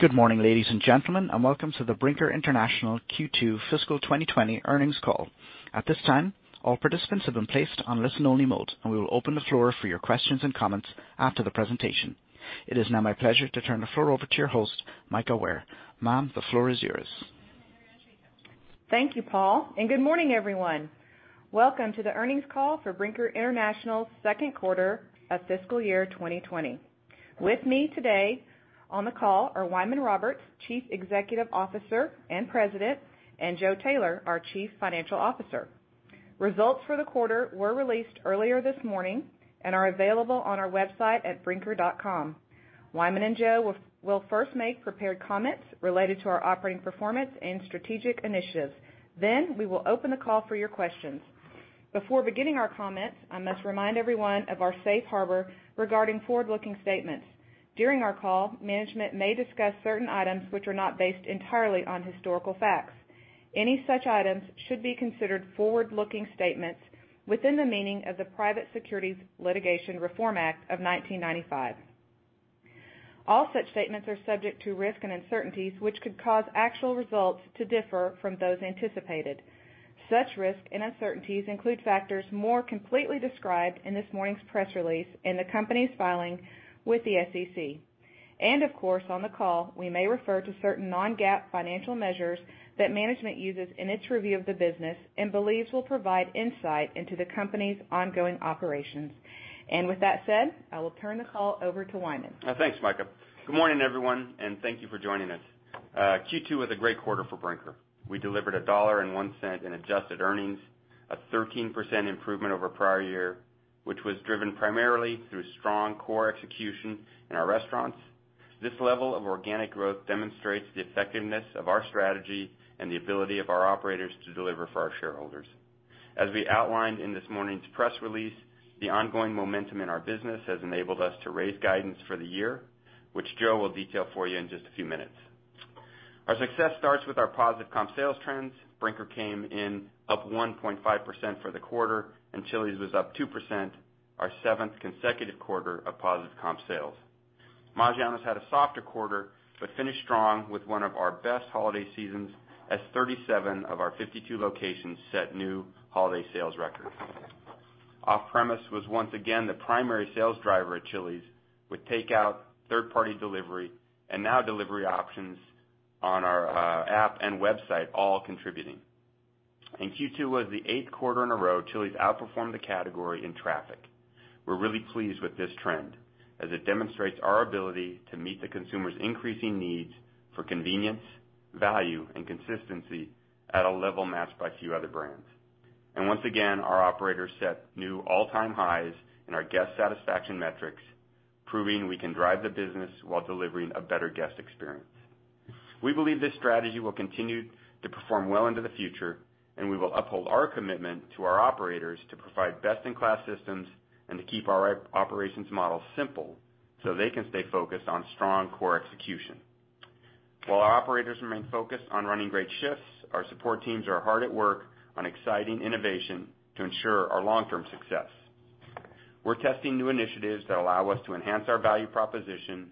Good morning, ladies and gentlemen, welcome to the Brinker International Q2 fiscal 2020 earnings call. At this time, all participants have been placed on listen-only mode, and we will open the floor for your questions and comments after the presentation. It is now my pleasure to turn the floor over to your host, Mika Ware. Ma'am, the floor is yours. Thank you, Paul. Good morning, everyone. Welcome to the earnings call for Brinker International's second quarter of fiscal year 2020. With me today on the call are Wyman Roberts, Chief Executive Officer and President, and Joe Taylor, our Chief Financial Officer. Results for the quarter were released earlier this morning and are available on our website at brinker.com. Wyman and Joe will first make prepared comments related to our operating performance and strategic initiatives. We will open the call for your questions. Before beginning our comments, I must remind everyone of our safe harbor regarding forward-looking statements. During our call, management may discuss certain items which are not based entirely on historical facts. Any such items should be considered forward-looking statements within the meaning of the Private Securities Litigation Reform Act of 1995. All such statements are subject to risks and uncertainties, which could cause actual results to differ from those anticipated. Such risks and uncertainties include factors more completely described in this morning's press release in the company's filing with the SEC. Of course, on the call, we may refer to certain non-GAAP financial measures that management uses in its review of the business and believes will provide insight into the company's ongoing operations. With that said, I will turn the call over to Wyman. Thanks, Mika. Good morning, everyone, and thank you for joining us. Q2 was a great quarter for Brinker. We delivered $1.01 in adjusted earnings, a 13% improvement over prior year, which was driven primarily through strong core execution in our restaurants. This level of organic growth demonstrates the effectiveness of our strategy and the ability of our operators to deliver for our shareholders. As we outlined in this morning's press release, the ongoing momentum in our business has enabled us to raise guidance for the year, which Joe will detail for you in just a few minutes. Our success starts with our positive comp sales trends. Brinker came in up 1.5% for the quarter, and Chili's was up 2%, our seventh consecutive quarter of positive comp sales. Maggiano's had a softer quarter, finished strong with one of our best holiday seasons as 37 of our 52 locations set new holiday sales records. Off-premise was once again the primary sales driver at Chili's, with takeout, third-party delivery, and now delivery options on our app and website, all contributing. Q2 was the eighth quarter in a row Chili's outperformed the category in traffic. We're really pleased with this trend, as it demonstrates our ability to meet the consumer's increasing needs for convenience, value, and consistency at a level matched by few other brands. Once again, our operators set new all-time highs in our guest satisfaction metrics, proving we can drive the business while delivering a better guest experience. We believe this strategy will continue to perform well into the future, and we will uphold our commitment to our operators to provide best-in-class systems and to keep our operations model simple so they can stay focused on strong core execution. While our operators remain focused on running great shifts, our support teams are hard at work on exciting innovation to ensure our long-term success. We're testing new initiatives that allow us to enhance our value proposition,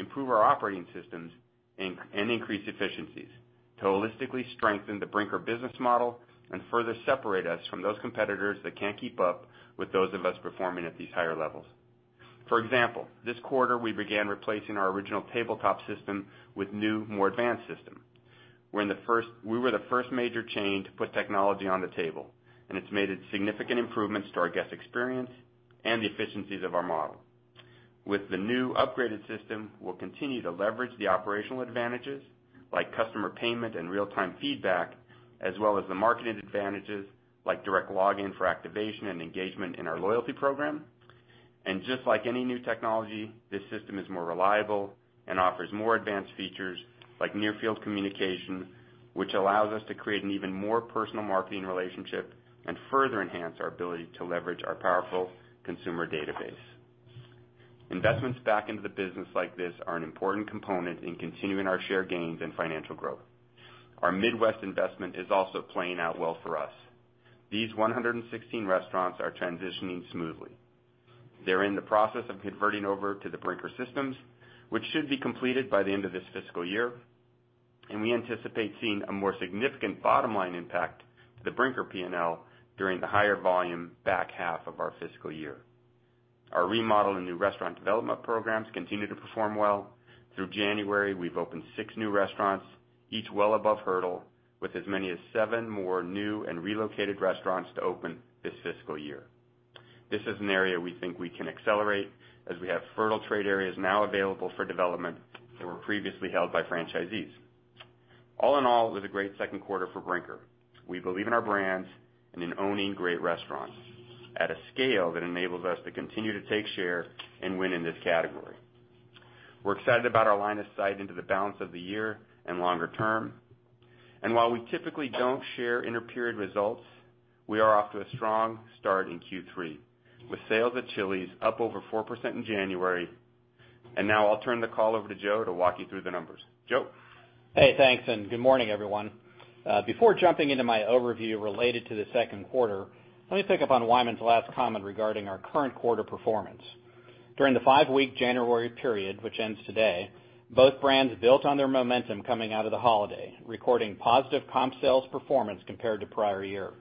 improve our operating systems, and increase efficiencies to holistically strengthen the Brinker business model and further separate us from those competitors that can't keep up with those of us performing at these higher levels. For example, this quarter, we began replacing our original tabletop system with new, more advanced system. We were the first major chain to put technology on the table, and it's made significant improvements to our guest experience and the efficiencies of our model. With the new upgraded system, we'll continue to leverage the operational advantages like customer payment and real-time feedback, as well as the marketing advantages like direct login for activation and engagement in our loyalty program. Just like any new technology, this system is more reliable and offers more advanced features like near-field communication, which allows us to create an even more personal marketing relationship and further enhance our ability to leverage our powerful consumer database. Investments back into the business like this are an important component in continuing our share gains and financial growth. Our Midwest investment is also playing out well for us. These 116 restaurants are transitioning smoothly. They're in the process of converting over to the Brinker systems, which should be completed by the end of this fiscal year, and we anticipate seeing a more significant bottom-line impact to the Brinker P&L during the higher volume back half of our fiscal year. Our remodel and new restaurant development programs continue to perform well. Through January, we've opened six new restaurants, each well above hurdle, with as many as seven more new and relocated restaurants to open this fiscal year. This is an area we think we can accelerate as we have fertile trade areas now available for development that were previously held by franchisees. All in all, it was a great second quarter for Brinker. We believe in our brands and in owning great restaurants at a scale that enables us to continue to take share and win in this category. We're excited about our line of sight into the balance of the year and longer term. While we typically don't share inter-period results, we are off to a strong start in Q3, with sales at Chili's up over 4% in January. Now I'll turn the call over to Joe to walk you through the numbers. Joe? Hey, thanks, and good morning, everyone. Before jumping into my overview related to the second quarter, let me pick up on Wyman's last comment regarding our current quarter performance. During the five-week January period, which ends today, both brands built on their momentum coming out of the holiday, recording positive comp sales performance compared to prior year.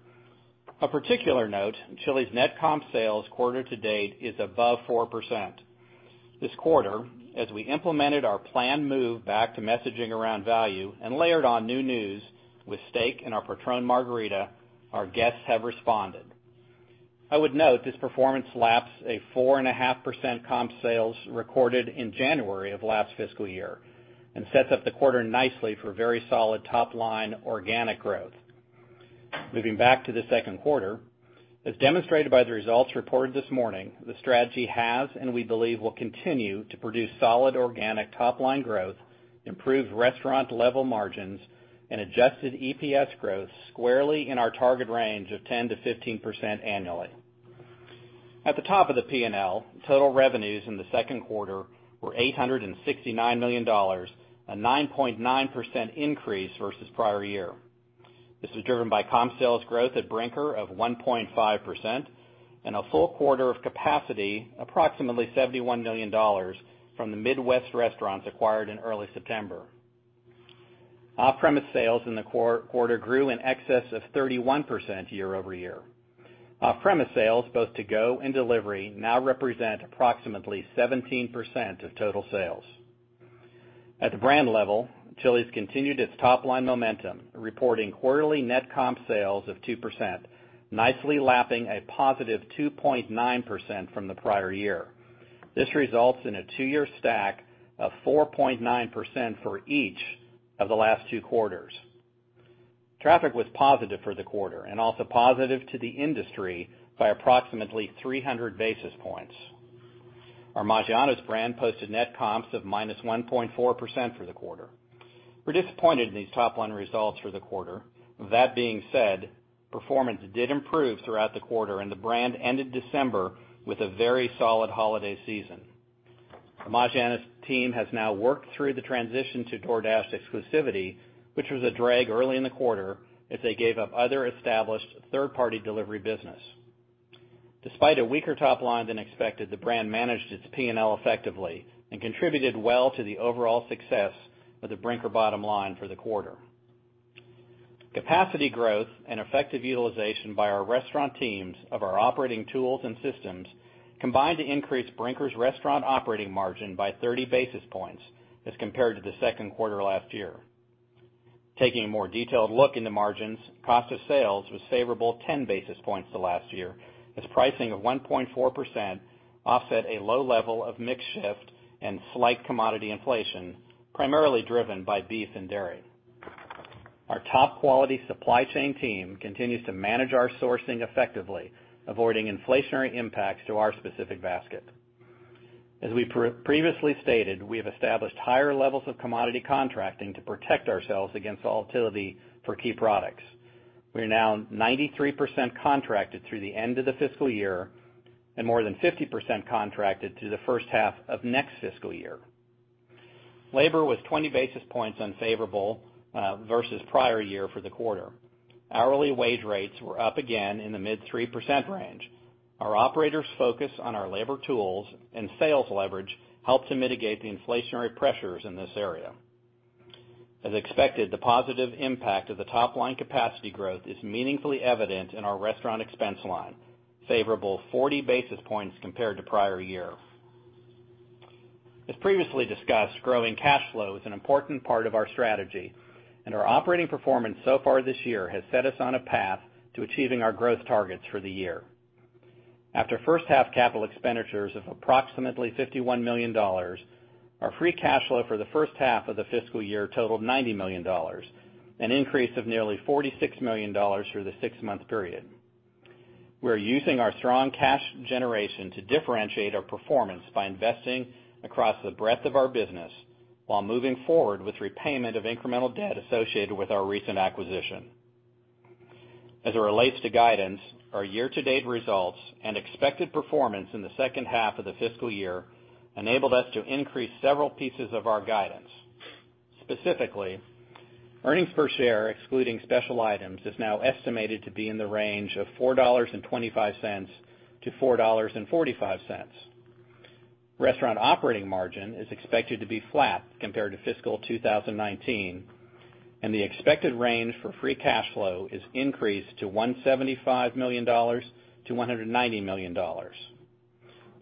Of particular note, Chili's net comp sales quarter to date is above 4%. This quarter, as we implemented our planned move back to messaging around value and layered on new news with steak and our Patrón margarita, our guests have responded. I would note this performance laps a 4.5% comp sales recorded in January of last fiscal year and sets up the quarter nicely for very solid top-line organic growth. Moving back to the second quarter, as demonstrated by the results reported this morning, the strategy has, and we believe will continue, to produce solid organic top-line growth, improve restaurant-level margins, and adjusted EPS growth squarely in our target range of 10%-15% annually. At the top of the P&L, total revenues in the second quarter were $869 million, a 9.9% increase versus prior year. This was driven by comp sales growth at Brinker of 1.5% and a full quarter of capacity, approximately $71 million, from the Midwest restaurants acquired in early September. Off-premise sales in the quarter grew in excess of 31% year-over-year. Off-premise sales, both to-go and delivery, now represent approximately 17% of total sales. At the brand level, Chili's continued its top-line momentum, reporting quarterly net comp sales of 2%, nicely lapping a positive 2.9% from the prior year. This results in a two-year stack of 4.9% for each of the last two quarters. Traffic was positive for the quarter and also positive to the industry by approximately 300 basis points. Our Maggiano's brand posted net comps of -1.4% for the quarter. We're disappointed in these top-line results for the quarter. That being said, performance did improve throughout the quarter, and the brand ended December with a very solid holiday season. The Maggiano's team has now worked through the transition to DoorDash exclusivity, which was a drag early in the quarter as they gave up other established third-party delivery business. Despite a weaker top line than expected, the brand managed its P&L effectively and contributed well to the overall success of the Brinker bottom line for the quarter. Capacity growth and effective utilization by our restaurant teams of our operating tools and systems combined to increase Brinker's restaurant operating margin by 30 basis points as compared to the second quarter last year. Taking a more detailed look into margins, cost of sales was favorable 10 basis points to last year, as pricing of 1.4% offset a low level of mix shift and slight commodity inflation, primarily driven by beef and dairy. Our top-quality supply chain team continues to manage our sourcing effectively, avoiding inflationary impacts to our specific basket. As we previously stated, we have established higher levels of commodity contracting to protect ourselves against volatility for key products. We are now 93% contracted through the end of the fiscal year and more than 50% contracted to the first half of next fiscal year. Labor was 20 basis points unfavorable, versus prior year for the quarter. Hourly wage rates were up again in the mid 3% range. Our operators' focus on our labor tools and sales leverage helped to mitigate the inflationary pressures in this area. As expected, the positive impact of the top-line capacity growth is meaningfully evident in our restaurant expense line, favorable 40 basis points compared to prior year. As previously discussed, growing cash flow is an important part of our strategy, and our operating performance so far this year has set us on a path to achieving our growth targets for the year. After first-half capital expenditures of approximately $51 million, our free cash flow for the first half of the fiscal year totaled $90 million, an increase of nearly $46 million through the six-month period. We are using our strong cash generation to differentiate our performance by investing across the breadth of our business while moving forward with repayment of incremental debt associated with our recent acquisition. As it relates to guidance, our year-to-date results and expected performance in the second half of the fiscal year enabled us to increase several pieces of our guidance. Specifically, earnings per share excluding special items is now estimated to be in the range of $4.25-$4.45. Restaurant operating margin is expected to be flat compared to fiscal 2019, and the expected range for free cash flow is increased to $175 million-$190 million.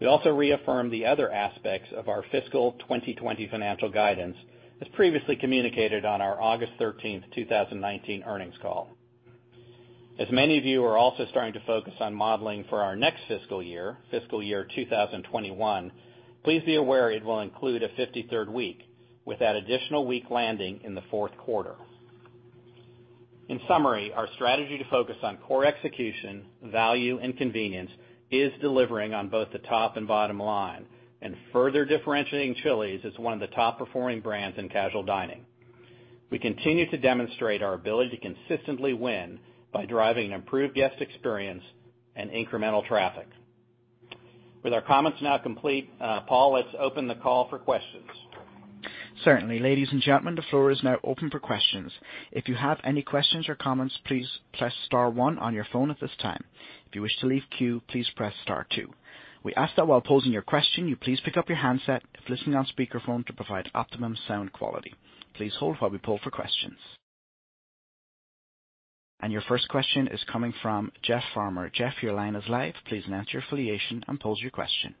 We also reaffirmed the other aspects of our fiscal 2020 financial guidance as previously communicated on our August 13th, 2019 earnings call. As many of you are also starting to focus on modeling for our next fiscal year, fiscal year 2021, please be aware it will include a 53rd week, with that additional week landing in the fourth quarter. In summary, our strategy to focus on core execution, value, and convenience is delivering on both the top and bottom line and further differentiating Chili's as one of the top-performing brands in casual dining. We continue to demonstrate our ability to consistently win by driving an improved guest experience and incremental traffic. With our comments now complete, Paul, let's open the call for questions. Certainly. Ladies and gentlemen, the floor is now open for questions. If you have any questions or comments, please press star one on your phone at this time. If you wish to leave queue, please press star two. We ask that while posing your question, you please pick up your handset if listening on speakerphone to provide optimum sound quality. Please hold while we poll for questions. Your first question is coming from Jeff Farmer. Jeff, your line is live. Please announce your affiliation and pose your question.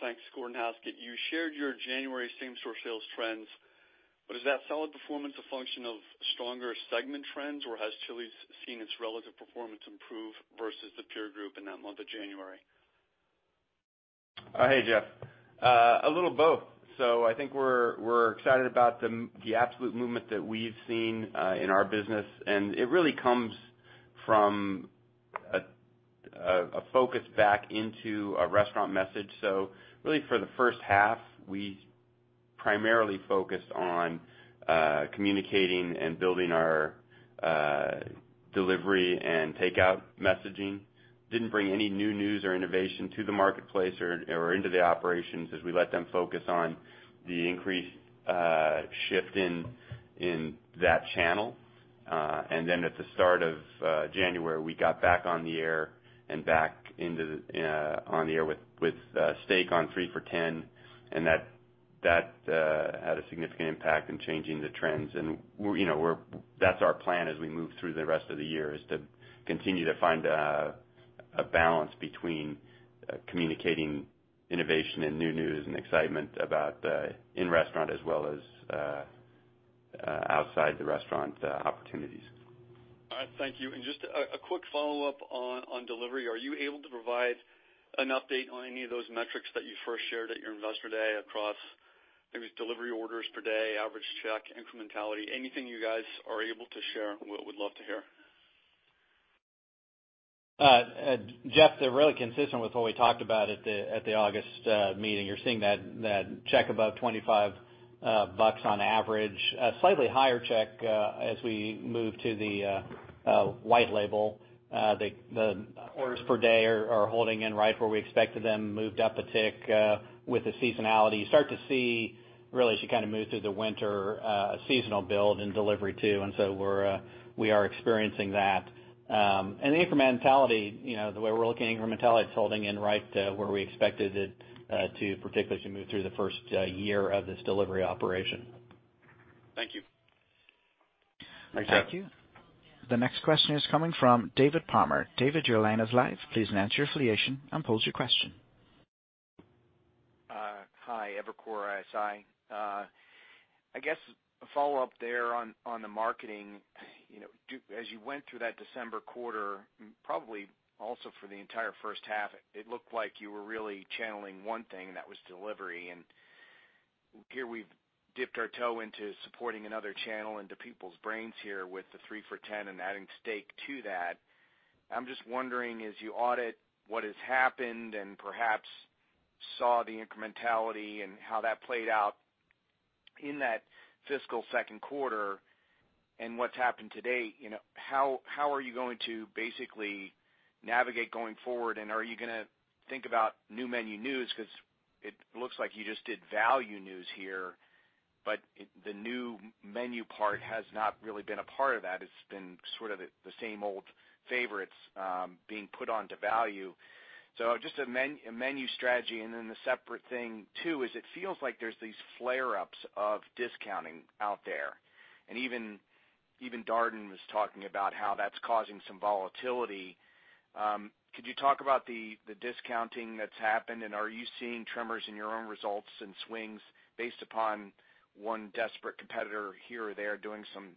Thanks. Gordon Haskett. Is that solid performance a function of stronger segment trends, or has Chili's seen its relative performance improve versus the peer group in that month of January? Hey, Jeff. A little both. I think we're excited about the absolute movement that we've seen in our business, and it really comes from a focus back into a restaurant message. Really, for the first half, we primarily focused on communicating and building our delivery and takeout messaging. Didn't bring any new news or innovation to the Marketplace or into the operations as we let them focus on the increased shift in that channel. At the start of January, we got back on the air and back on the air with steak on 3 for $10, and that had a significant impact in changing the trends. That's our plan as we move through the rest of the year, is to continue to find a balance between communicating innovation and new news and excitement about in-restaurant as well as outside the restaurant opportunities. All right, thank you. Just a quick follow-up on delivery. Are you able to provide an update on any of those metrics that you first shared at your Investor Day across maybe delivery orders per day, average check, incrementality? Anything you guys are able to share, we'd love to hear. Jeff, they're really consistent with what we talked about at the August meeting. You're seeing that check above $25 on average. A slightly higher check as we move to the white label. The orders per day are holding in right where we expected them, moved up a tick with the seasonality. You start to see, really, as you move through the winter, a seasonal build in delivery too. We are experiencing that. The incrementality, the way we're looking at incrementality, it's holding in right where we expected it to, particularly as you move through the first year of this delivery operation. Thank you. Thanks, Jeff. Thank you. The next question is coming from David Palmer. David, your line is live. Please announce your affiliation and pose your question. Hi, Evercore ISI. I guess a follow-up there on the marketing. As you went through that December quarter, probably also for the entire first half, it looked like you were really channeling one thing, and that was delivery. Here we've dipped our toe into supporting another channel into people's brains here with the 3 for $10 and adding steak to that. I'm just wondering, as you audit what has happened and perhaps saw the incrementality and how that played out in that fiscal second quarter and what's happened to date, how are you going to basically navigate going forward, and are you going to think about new menu news? It looks like you just did value news here, but the new menu part has not really been a part of that. It's been sort of the same old favorites being put onto value. Just a menu strategy. The separate thing too is it feels like there's these flare-ups of discounting out there, and even Darden was talking about how that's causing some volatility. Could you talk about the discounting that's happened, and are you seeing tremors in your own results and swings based upon one desperate competitor here or there doing some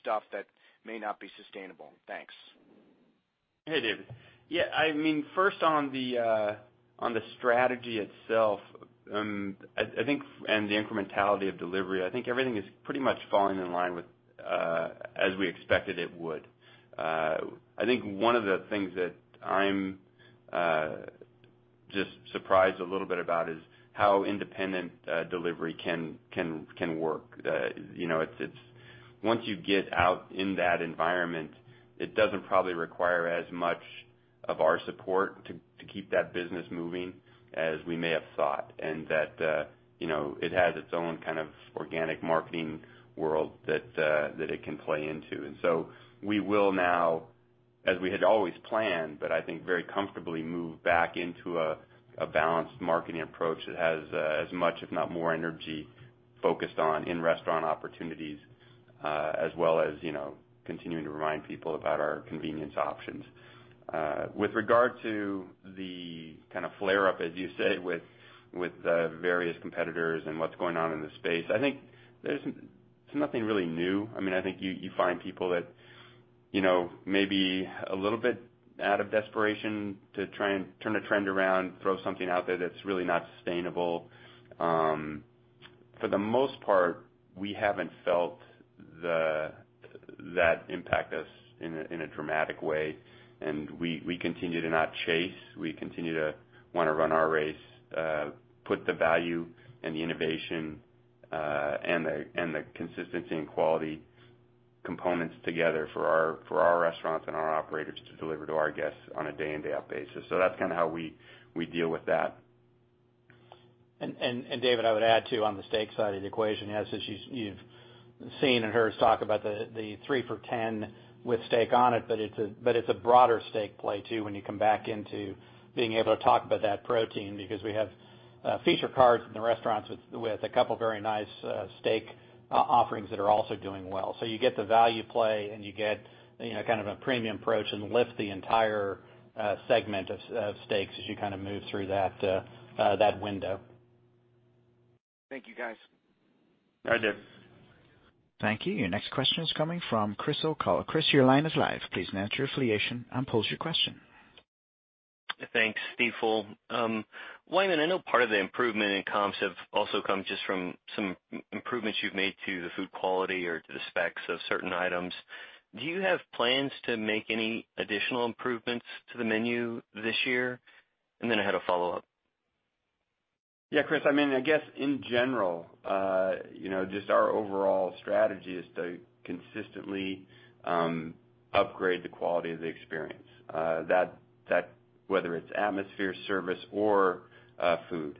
stuff that may not be sustainable? Thanks. Hey, David. Yeah, first on the strategy itself and the incrementality of delivery, I think everything is pretty much falling in line with as we expected it would. I think one of the things that I'm just surprised a little bit about is how independent delivery can work. Once you get out in that environment, it doesn't probably require as much of our support to keep that business moving as we may have thought, and that it has its own kind of organic marketing world that it can play into. We will now, as we had always planned, but I think very comfortably move back into a balanced marketing approach that has as much, if not more energy focused on in-restaurant opportunities, as well as continuing to remind people about our convenience options. With regard to the kind of flare up, as you say, with the various competitors and what's going on in the space, I think there's nothing really new. I think you find people that maybe a little bit out of desperation to try and turn a trend around, throw something out there that's really not sustainable. For the most part, we haven't felt that impact us in a dramatic way, and we continue to not chase. We continue to want to run our race, put the value and the innovation and the consistency and quality components together for our restaurants and our operators to deliver to our guests on a day in, day out basis. That's kind of how we deal with that. David, I would add too, on the steak side of the equation, as you've seen and heard us talk about the 3 for $10 with steak on it, but it's a broader steak play too, when you come back into being able to talk about that protein, because we have feature cards in the restaurants with a couple of very nice steak offerings that are also doing well. You get the value play and you get kind of a premium approach and lift the entire segment of steaks as you move through that window. Thank you, guys. All right, Dave. Thank you. Your next question is coming from Chris O'Cull. Chris, your line is live. Please state your affiliation and pose your question. Thanks. Stifel. Wyman, I know part of the improvement in comps have also come just from some improvements you've made to the food quality or to the specs of certain items. Do you have plans to make any additional improvements to the menu this year? Then I had a follow-up. Yeah, Chris, I guess in general, just our overall strategy is to consistently upgrade the quality of the experience. Whether it's atmosphere, service or food.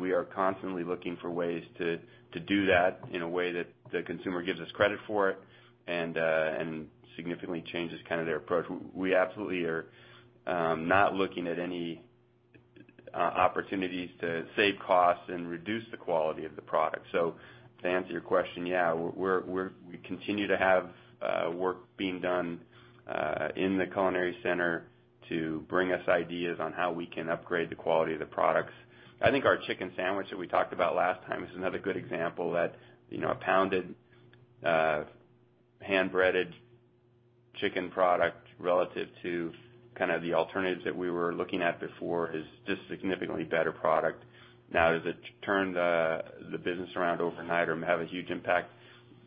We are constantly looking for ways to do that in a way that the consumer gives us credit for it and significantly changes their approach. We absolutely are not looking at any opportunities to save costs and reduce the quality of the product. To answer your question, yeah, we continue to have work being done in the culinary center to bring us ideas on how we can upgrade the quality of the products. I think our chicken sandwich that we talked about last time is another good example that, a pounded hand-breaded chicken product relative to the alternatives that we were looking at before is just a significantly better product. Does it turn the business around overnight or have a huge impact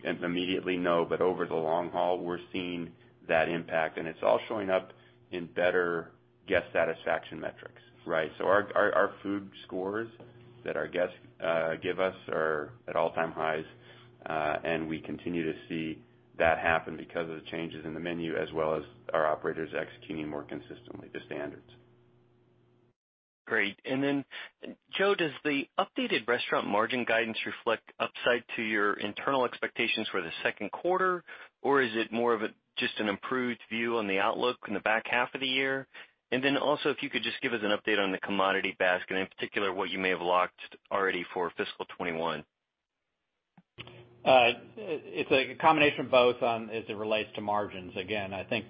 immediately? No. Over the long haul, we're seeing that impact and it's all showing up in better guest satisfaction metrics. Right. Our food scores that our guests give us are at all-time highs. We continue to see that happen because of the changes in the menu as well as our operators executing more consistently to standards. Great. Joe, does the updated restaurant margin guidance reflect upside to your internal expectations for the second quarter? Is it more of just an improved view on the outlook in the back half of the year? Also, if you could just give us an update on the commodity basket, and in particular, what you may have locked already for fiscal 2021. It's a combination of both as it relates to margins. I think,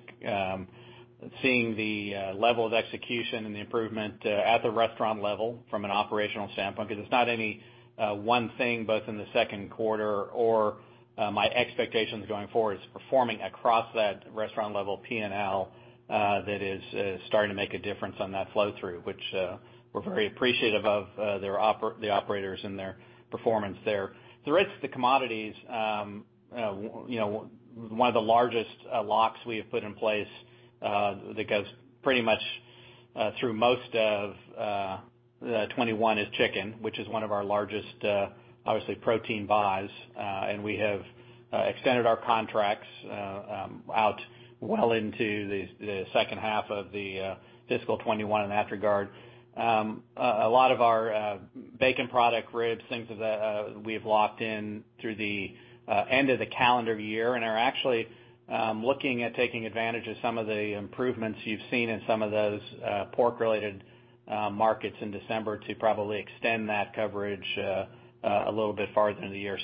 seeing the level of execution and the improvement at the restaurant level from an operational standpoint, because it's not any one thing, both in the second quarter or my expectations going forward. It's performing across that restaurant level P&L that is starting to make a difference on that flow through, which we're very appreciative of the operators and their performance there. As it relates to the commodities, one of the largest locks we have put in place that goes pretty much through most of the 2021 is chicken, which is one of our largest, obviously, protein buys. We have extended our contracts out well into the second half of the fiscal 2021 and after that. A lot of our bacon product, ribs, things of that, we've locked in through the end of the calendar year and are actually looking at taking advantage of some of the improvements you've seen in some of those pork-related markets in December to probably extend that coverage a little bit farther into the year.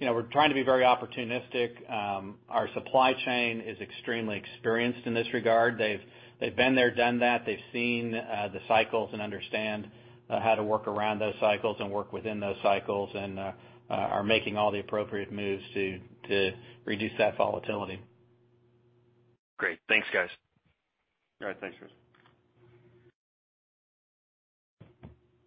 We're trying to be very opportunistic. Our supply chain is extremely experienced in this regard. They've been there, done that. They've seen the cycles and understand how to work around those cycles and work within those cycles, and are making all the appropriate moves to reduce that volatility. Great. Thanks, guys. All right. Thanks, Chris.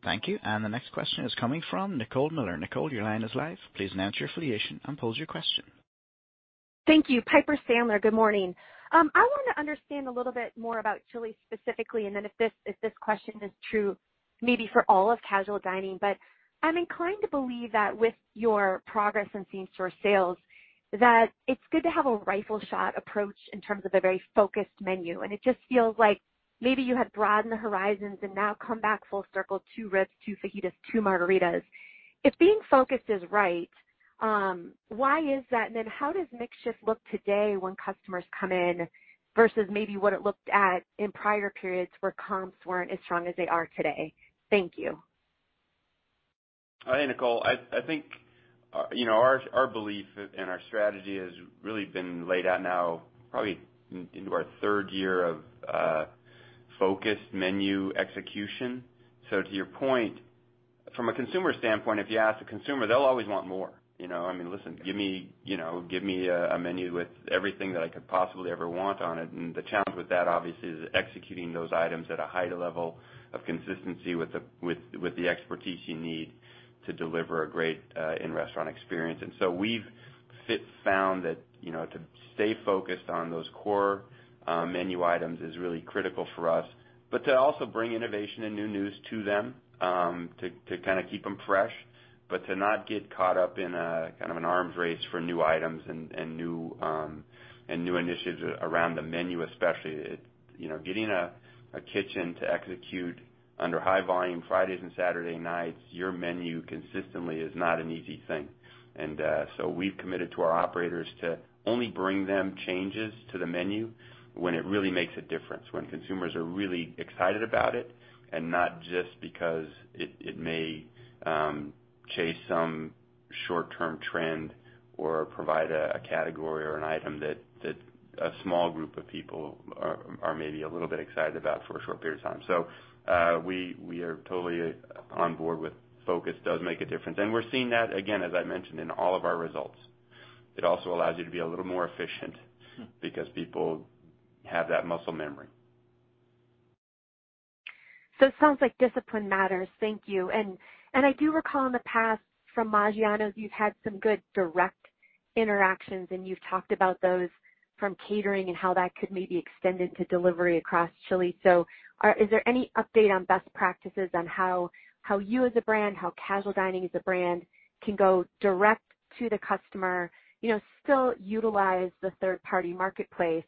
Thank you. The next question is coming from Nicole Miller. Nicole, your line is live. Please state your affiliation and pose your question. Thank you. Piper Sandler. Good morning. I want to understand a little bit more about Chili's specifically, then if this question is true, maybe for all of casual dining. I'm inclined to believe that with your progress in same-store sales, that it's good to have a rifle shot approach in terms of a very focused menu. It just feels like maybe you had broadened the horizons and now come back full circle to ribs, to fajitas, to margaritas. If being focused is right, why is that? Then how does mixshift look today when customers come in versus maybe what it looked at in prior periods where comps weren't as strong as they are today? Thank you. Hey, Nicole. I think our belief and our strategy has really been laid out now probably into our third year of focused menu execution. To your point. From a consumer standpoint, if you ask a consumer, they'll always want more. Listen, give me a menu with everything that I could possibly ever want on it. The challenge with that, obviously, is executing those items at a high level of consistency with the expertise you need to deliver a great in-restaurant experience. We've found that to stay focused on those core menu items is really critical for us, to also bring innovation and new news to them to keep them fresh, to not get caught up in an arms race for new items and new initiatives around the menu, especially. Getting a kitchen to execute under high volume Fridays and Saturday nights, your menu consistently is not an easy thing. We've committed to our operators to only bring them changes to the menu when it really makes a difference, when consumers are really excited about it, and not just because it may chase some short-term trend or provide a category or an item that a small group of people are maybe a little bit excited about for a short period of time. We are totally on board with focus does make a difference. We're seeing that, again, as I mentioned, in all of our results. It also allows you to be a little more efficient because people have that muscle memory. It sounds like discipline matters. Thank you. I do recall in the past from Maggiano's, you've had some good direct interactions, and you've talked about those from catering and how that could maybe extend into delivery across Chili's. Is there any update on best practices on how you as a brand, how casual dining as a brand, can go direct to the customer, still utilize the third-party Marketplace,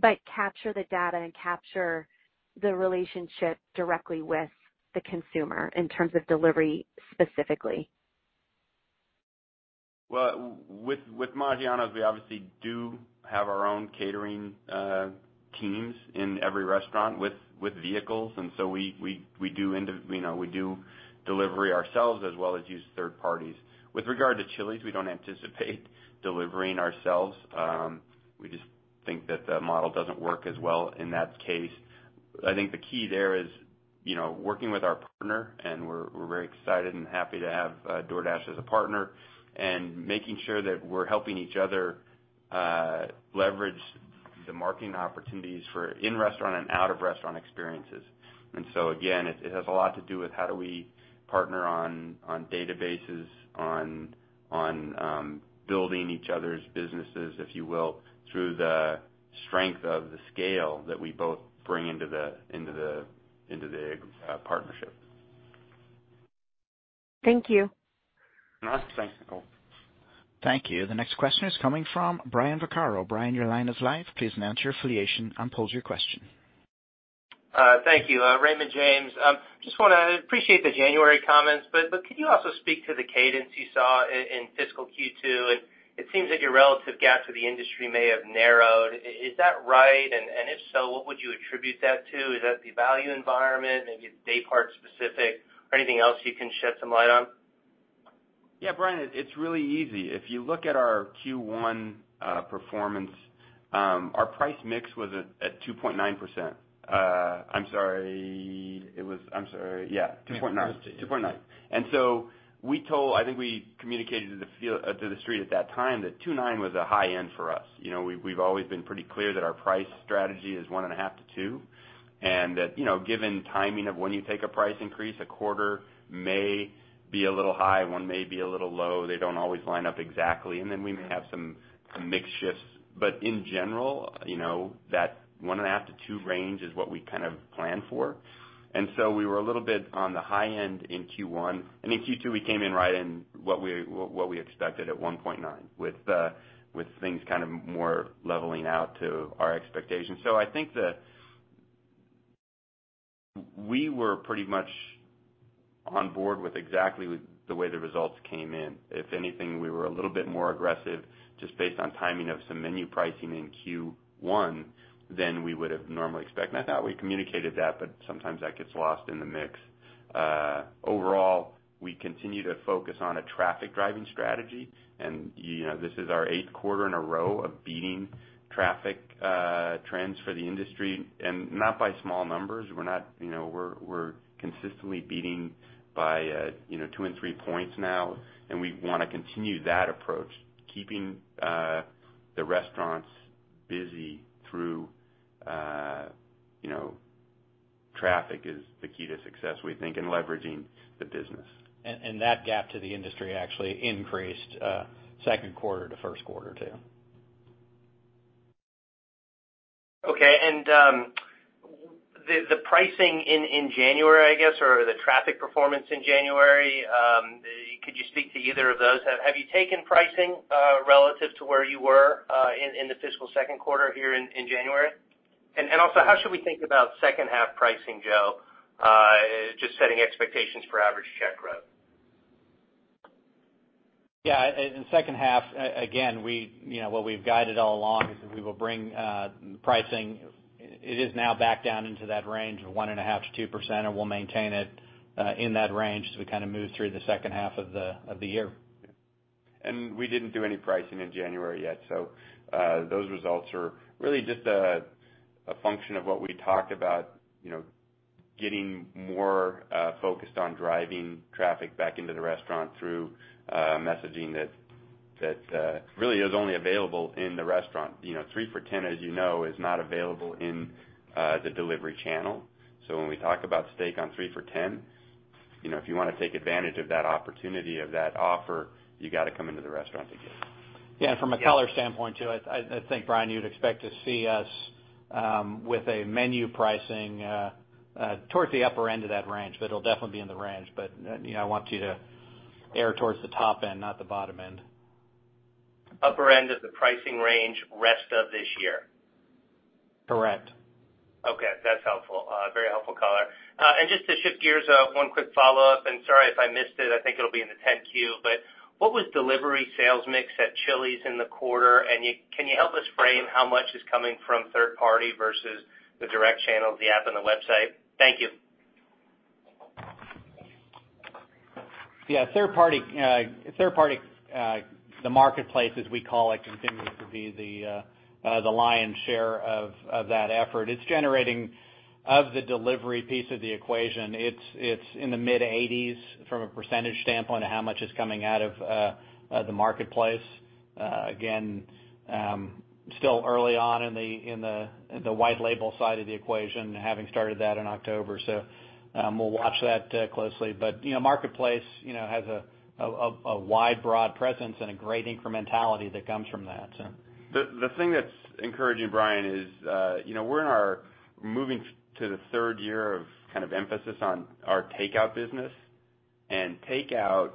but capture the data and capture the relationship directly with the consumer in terms of delivery specifically? Well, with Maggiano's, we obviously do have our own catering teams in every restaurant with vehicles, and so we do delivery ourselves as well as use third parties. With regard to Chili's, we don't anticipate delivering ourselves. We just think that the model doesn't work as well in that case. I think the key there is working with our partner, and we're very excited and happy to have DoorDash as a partner, and making sure that we're helping each other leverage the marketing opportunities for in-restaurant and out-of-restaurant experiences. Again, it has a lot to do with how do we partner on databases, on building each other's businesses, if you will, through the strength of the scale that we both bring into the partnership. Thank you. Thanks, Nicole. Thank you. The next question is coming from Brian Vaccaro. Brian, your line is live. Please announce your affiliation and pose your question. Thank you. Raymond James. Just want to appreciate the January comments. Could you also speak to the cadence you saw in fiscal Q2? It seems like your relative gap to the industry may have narrowed. Is that right? If so, what would you attribute that to? Is that the value environment, maybe DayPart specific, or anything else you can shed some light on? Yeah, Brian, it's really easy. If you look at our Q1 performance, our price mix was at 2.9%. I'm sorry. Yeah, 2.9%. I think we communicated to the street at that time that 2.9% was a high end for us. We've always been pretty clear that our price strategy is 1.5%-2%, and that given timing of when you take a price increase, a quarter may be a little high, one may be a little low. They don't always line up exactly. We may have some mix shifts. In general, that 1.5%-2% range is what we plan for. We were a little bit on the high end in Q1. I think Q2, we came in right in what we expected at 1.9% with things more leveling out to our expectations. I think that we were pretty much on board with exactly the way the results came in. If anything, we were a little bit more aggressive just based on timing of some menu pricing in Q1 than we would've normally expected. I thought we communicated that, but sometimes that gets lost in the mix. Overall, we continue to focus on a traffic driving strategy, and this is our eighth quarter in a row of beating traffic trends for the industry, and not by small numbers. We're consistently beating by two and three points now, and we want to continue that approach. Keeping the restaurants busy through traffic is the key to success, we think, in leveraging the business. That gap to the industry actually increased second quarter to first quarter, too. Okay. The pricing in January, I guess, or the traffic performance in January, could you speak to either of those? Have you taken pricing relative to where you were in the fiscal second quarter here in January? Also, how should we think about second half pricing, Joe, just setting expectations for average check growth? Yeah. In second half, again, what we've guided all along is that we will bring pricing. It is now back down into that range of 1.5%-2%, and we'll maintain it in that range as we move through the second half of the year. We didn't do any pricing in January yet. Those results are really just a function of what we talked about, getting more focused on driving traffic back into the restaurant through messaging that really is only available in the restaurant. 3 for $10, as you know, is not available in the delivery channel. When we talk about steak on 3 for $10, if you want to take advantage of that opportunity, of that offer, you got to come into the restaurant to get it. Yeah, from a color standpoint too, I think, Brian, you'd expect to see us with a menu pricing towards the upper end of that range, but it'll definitely be in the range. I want you to err towards the top end, not the bottom end. Upper end of the pricing range rest of this year? Correct. Okay, that's helpful. Very helpful color. Just to shift gears up, one quick follow-up, and sorry if I missed it, I think it'll be in the 10-Q, but what was delivery sales mix at Chili's in the quarter? Can you help us frame how much is coming from third party versus the direct channel, the app and the website? Thank you. Yeah. Third party, the Marketplace, as we call it, continues to be the lion's share of that effort. It's generating of the delivery piece of the equation. It's in the mid-80s from a percentage standpoint of how much is coming out of the Marketplace. Again, still early on in the white label side of the equation, having started that in October. We'll watch that closely, but Marketplace has a wide broad presence and a great incrementality that comes from that. The thing that's encouraging, Brian, is we're in our moving to the third year of kind of emphasis on our takeout business. Takeout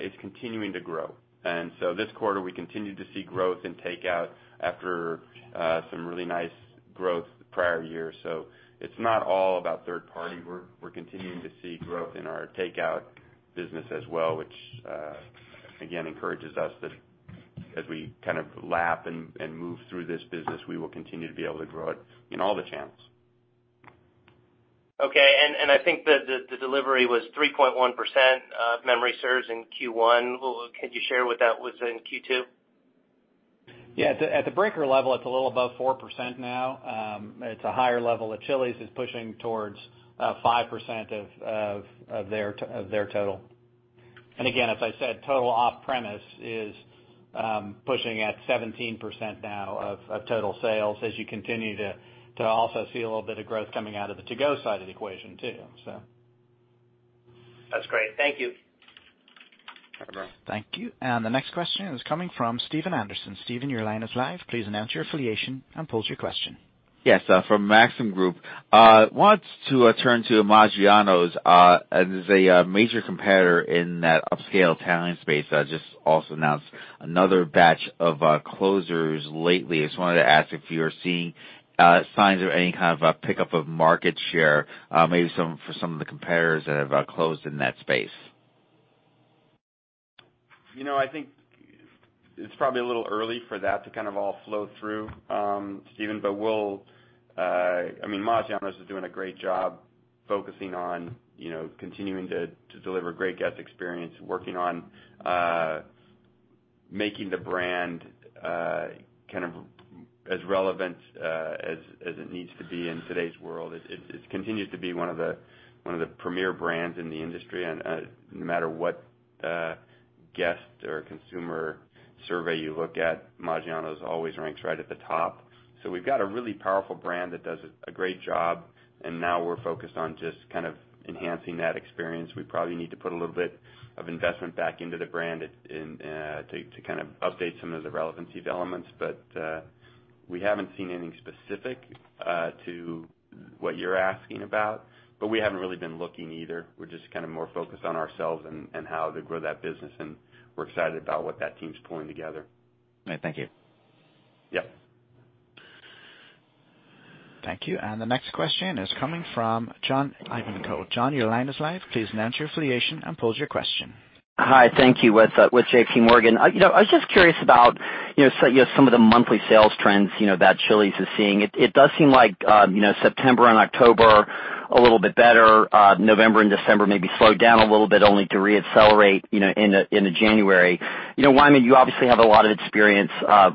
is continuing to grow. This quarter, we continued to see growth in takeout after some really nice growth the prior year. It's not all about third party. We're continuing to see growth in our takeout business as well, which, again, encourages us that as we kind of lap and move through this business, we will continue to be able to grow it in all the channels. Okay. I think the delivery was 3.1%, if memory serves, in Q1. Can you share what that was in Q2? Yeah. At the Brinker level, it's a little above 4% now. It's a higher level at Chili's. It's pushing towards 5% of their total. Again, as I said, total off-premise is pushing at 17% now of total sales as you continue to also see a little bit of growth coming out of the to-go side of the equation too. That's great. Thank you. Okay, Brian. Thank you. The next question is coming from Stephen Anderson. Stephen your line is live. Please announce your affiliation and pose your question. Yes, from Maxim Group. Wanted to turn to Maggiano's, as a major competitor in that upscale Italian space, just also announced another batch of closures lately. I just wanted to ask if you are seeing signs of any kind of a pickup of market share, maybe for some of the competitors that have closed in that space. I think it's probably a little early for that to kind of all flow through, Stephen. Maggiano's is doing a great job focusing on continuing to deliver great guest experience, working on making the brand as relevant as it needs to be in today's world. It continues to be one of the premier brands in the industry. No matter what guest or consumer survey you look at, Maggiano's always ranks right at the top. We've got a really powerful brand that does a great job, and now we're focused on just kind of enhancing that experience. We probably need to put a little bit of investment back into the brand to kind of update some of the relevancy elements. We haven't seen anything specific to what you're asking about, but we haven't really been looking either. We're just kind of more focused on ourselves and how to grow that business, and we're excited about what that team's pulling together. All right. Thank you. Yep. Thank you. The next question is coming from John Ivankoe. John, your line is live. Please announce your affiliation and pose your question. Hi. Thank you, with JPMorgan. I was just curious about some of the monthly sales trends that Chili's is seeing. It does seem like September and October, a little bit better. November and December maybe slowed down a little bit, only to re-accelerate into January. Wyman, you obviously have a lot of experience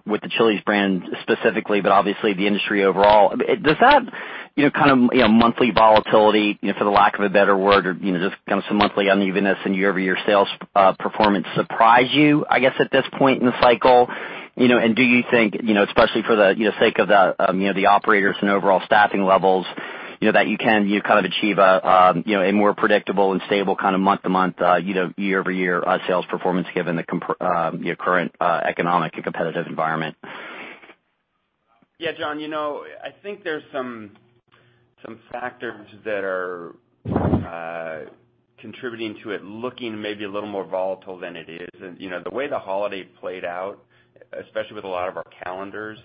with the Chili's brand specifically, but obviously the industry overall. Does that kind of monthly volatility, for the lack of a better word, or just kind of some monthly unevenness in year-over-year sales performance surprise you, I guess, at this point in the cycle? Do you think, especially for the sake of the operators and overall staffing levels, that you can achieve a more predictable and stable kind of month-to-month, year-over-year sales performance given the current economic and competitive environment? Yeah, John, I think there's some factors that are contributing to it looking maybe a little more volatile than it is. The way the holiday played out, especially with a lot of our calendars,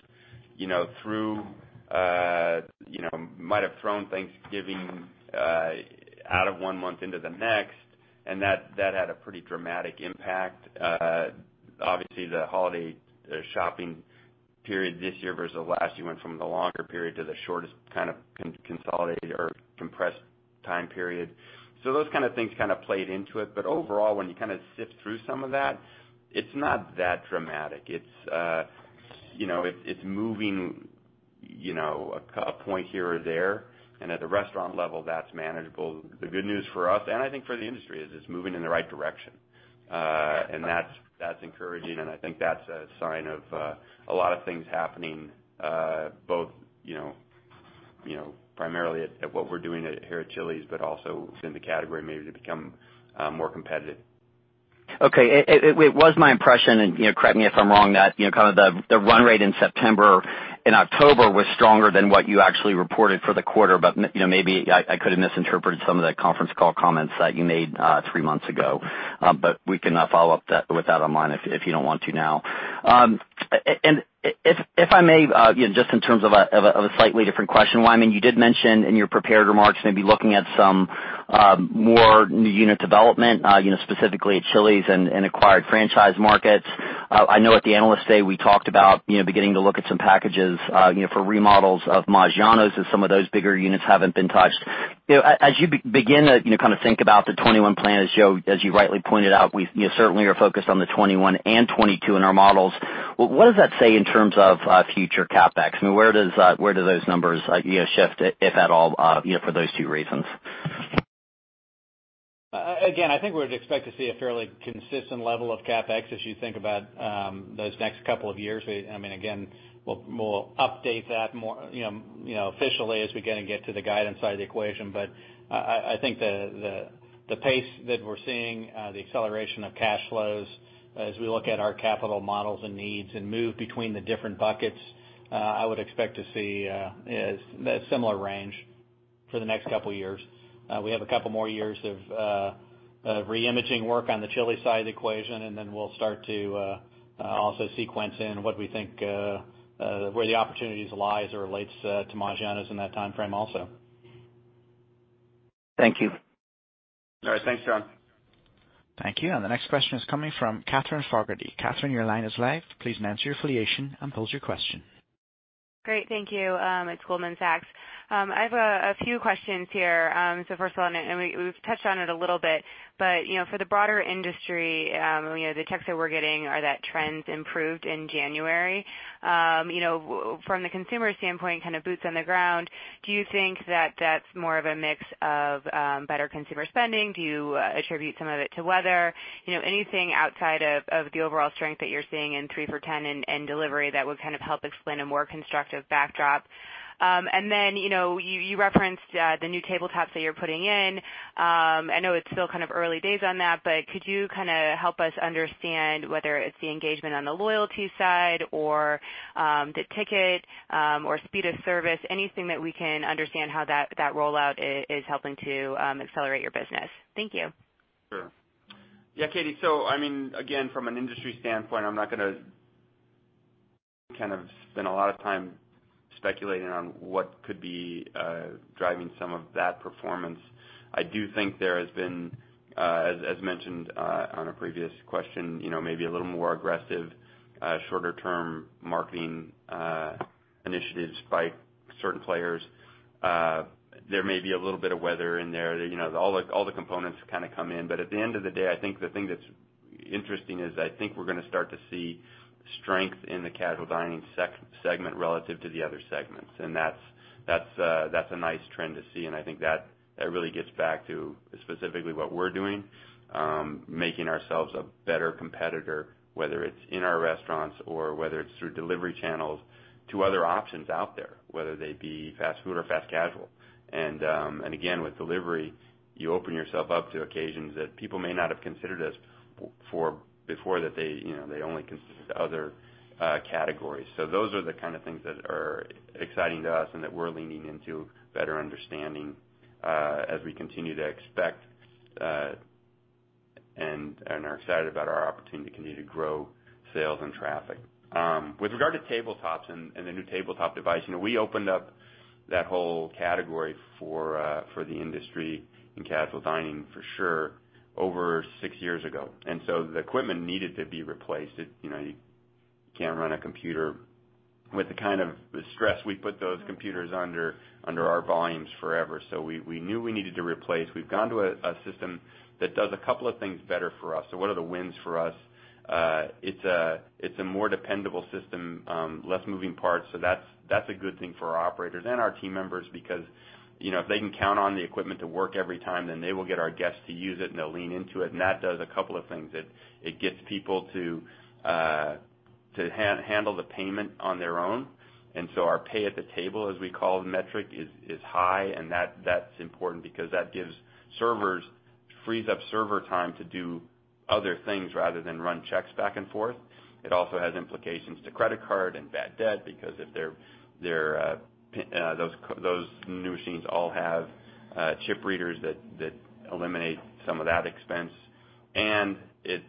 might have thrown Thanksgiving out of one month into the next, and that had a pretty dramatic impact. Obviously, the holiday shopping period this year versus the last, you went from the longer period to the shortest kind of consolidated or compressed time period. Those kinds of things kind of played into it. Overall, when you kind of sift through some of that, it's not that dramatic. It's moving a point here or there, and at the restaurant level, that's manageable. The good news for us, and I think for the industry, is it's moving in the right direction. That's encouraging, and I think that's a sign of a lot of things happening both primarily at what we're doing here at Chili's, but also within the category, maybe to become more competitive. Okay. It was my impression, and correct me if I'm wrong, that the run rate in September and October was stronger than what you actually reported for the quarter. Maybe I could have misinterpreted some of the conference call comments that you made three months ago. We can follow up with that online if you don't want to now. If I may, just in terms of a slightly different question, Wyman, you did mention in your prepared remarks, maybe looking at some more new unit development, specifically at Chili's and acquired franchise markets. I know at the Analyst Day, we talked about beginning to look at some packages for remodels of Maggiano's, as some of those bigger units haven't been touched. As you begin to think about the 2021 plan, as you rightly pointed out, we certainly are focused on the 2021 and 2022 in our models. What does that say in terms of future CapEx? Where do those numbers shift, if at all, for those two reasons? Again, I think we'd expect to see a fairly consistent level of CapEx as you think about those next couple of years. Again, we'll update that officially as we get to the guidance side of the equation. I think the pace that we're seeing, the acceleration of cash flows as we look at our capital models and needs and move between the different buckets, I would expect to see a similar range for the next couple of years. We have a couple more years of re-imaging work on the Chili's side of the equation, and then we'll start to also sequence in what we think where the opportunities lie as it relates to Maggiano's in that timeframe also. Thank you. All right. Thanks, John. Thank you. The next question is coming from Katherine Fogertey. Katherine, your line is live. Please state your affiliation and pose your question. Great. Thank you. It's Goldman Sachs. I have a few questions here. First of all, and we've touched on it a little bit, but for the broader industry, the checks that we're getting are that trends improved in January. From the consumer standpoint, kind of boots on the ground, do you think that that's more of a mix of better consumer spending? Do you attribute some of it to weather? Anything outside of the overall strength that you're seeing in 3 for $10 and delivery that would kind of help explain a more constructive backdrop? You referenced the new tabletops that you're putting in. I know it's still early days on that, but could you help us understand whether it's the engagement on the loyalty side or the ticket or speed of service, anything that we can understand how that rollout is helping to accelerate your business? Thank you. Sure. Yeah, Katie. Again, from an industry standpoint, I'm not going to spend a lot of time speculating on what could be driving some of that performance. I do think there has been, as mentioned on a previous question, maybe a little more aggressive shorter-term marketing initiatives by certain players. There may be a little bit of weather in there. All the components kind of come in. At the end of the day, I think the thing that's interesting is I think we're going to start to see strength in the casual dining segment relative to the other segments. That's a nice trend to see. I think that really gets back to specifically what we're doing, making ourselves a better competitor, whether it's in our restaurants or whether it's through delivery channels to other options out there, whether they be fast food or fast casual. Again, with delivery, you open yourself up to occasions that people may not have considered before that they only considered other categories. Those are the kind of things that are exciting to us and that we're leaning into better understanding as we continue to expect and are excited about our opportunity to continue to grow sales and traffic. With regard to tabletops and the new tabletop device, we opened up that whole category for the industry in casual dining, for sure, over six years ago. The equipment needed to be replaced. You can't run a computer with the kind of stress we put those computers under our volumes forever. We knew we needed to replace. We've gone to a system that does a couple of things better for us. What are the wins for us? It's a more dependable system, less moving parts. That's a good thing for our operators and our team members, because if they can count on the equipment to work every time, then they will get our guests to use it and they'll lean into it. That does a couple of things. It gets people to handle the payment on their own. Our pay at the table, as we call the metric, is high, and that's important because that frees up server time to do other things rather than run checks back and forth. It also has implications to credit card and bad debt because those new machines all have chip readers that eliminate some of that expense. It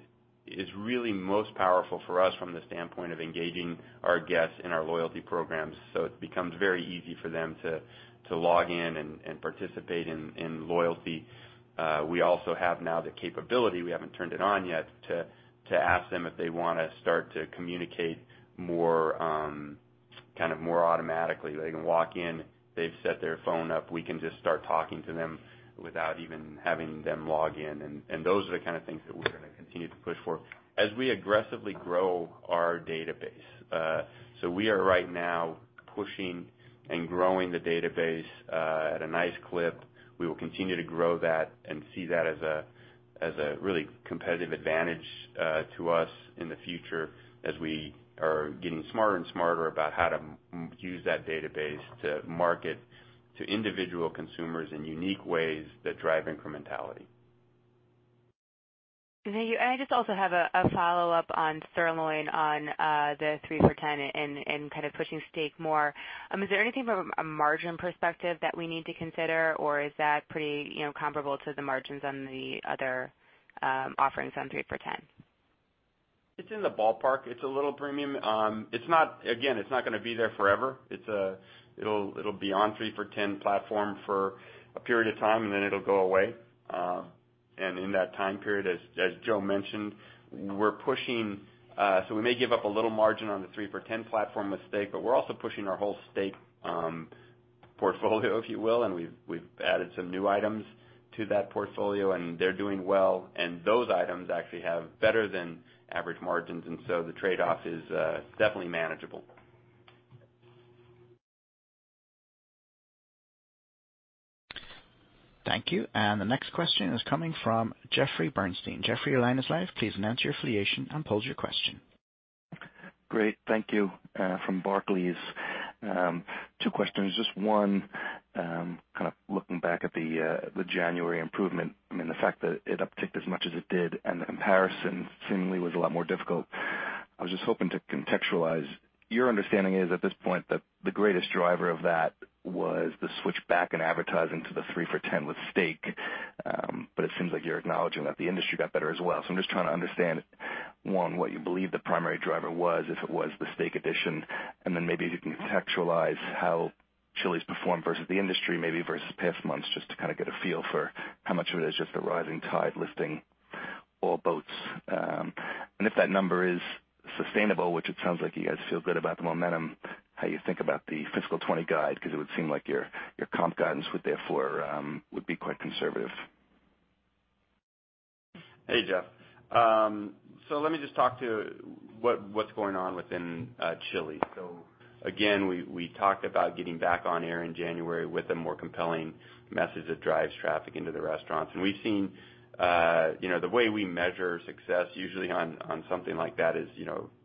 is really most powerful for us from the standpoint of engaging our guests in our loyalty programs. It becomes very easy for them to log in and participate in loyalty. We also have now the capability, we haven't turned it on yet, to ask them if they want to start to communicate more automatically. They can walk in, they've set their phone up, we can just start talking to them without even having them log in. Those are the kind of things that we're going to continue to push for as we aggressively grow our database. We are right now pushing and growing the database at a nice clip. We will continue to grow that and see that as a really competitive advantage to us in the future as we are getting smarter and smarter about how to use that database to market to individual consumers in unique ways that drive incrementality. Thank you. I just also have a follow-up on sirloin, on the 3 for $10 and kind of pushing steak more. Is there anything from a margin perspective that we need to consider, or is that pretty comparable to the margins on the other offerings on 3 for $10? It's in the ballpark. It's a little premium. Again, it's not going to be there forever. It'll be on 3 for $10 platform for a period of time, and then it'll go away. In that time period, as Joe mentioned, so we may give up a little margin on the 3 for $10 platform with steak, but we're also pushing our whole steak portfolio, if you will, and we've added some new items to that portfolio, and they're doing well. Those items actually have better than average margins, and so the trade-off is definitely manageable. Thank you. The next question is coming from Jeffrey Bernstein. Jeffrey, your line is live. Please announce your affiliation and pose your question. Great. Thank you. From Barclays. Two questions. Just one, kind of looking back at the January improvement, I mean, the fact that it upticked as much as it did and the comparison seemingly was a lot more difficult. I was just hoping to contextualize. Your understanding is, at this point, that the greatest driver of that was the switch back in advertising to the 3 for $10 with steak. It seems like you're acknowledging that the industry got better as well. I'm just trying to understand, one, what you believe the primary driver was, if it was the steak addition, and then maybe if you can contextualize how Chili's performed versus the industry, maybe versus past months, just to kind of get a feel for how much of it is just the rising tide lifting all boats. If that number is sustainable, which it sounds like you guys feel good about the momentum, how you think about the fiscal 2020 guide, because it would seem like your comp guidance would therefore be quite conservative. Hey, Jeff. Let me just talk to what's going on within Chili's. Again, we talked about getting back on air in January with a more compelling message that drives traffic into the restaurants. The way we measure success usually on something like that is,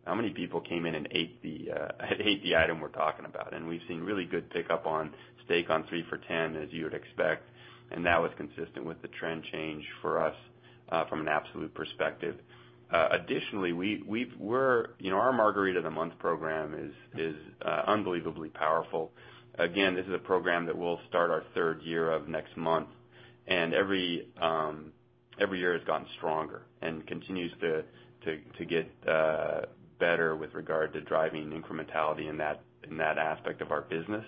how many people came in and ate the item we're talking about. We've seen really good pickup on steak on 3 for $10, as you would expect, and that was consistent with the trend change for us from an absolute perspective. Additionally, our Margarita of the Month program is unbelievably powerful. Again, this is a program that we'll start our third year of next month, and every year has gotten stronger and continues to get better with regard to driving incrementality in that aspect of our business.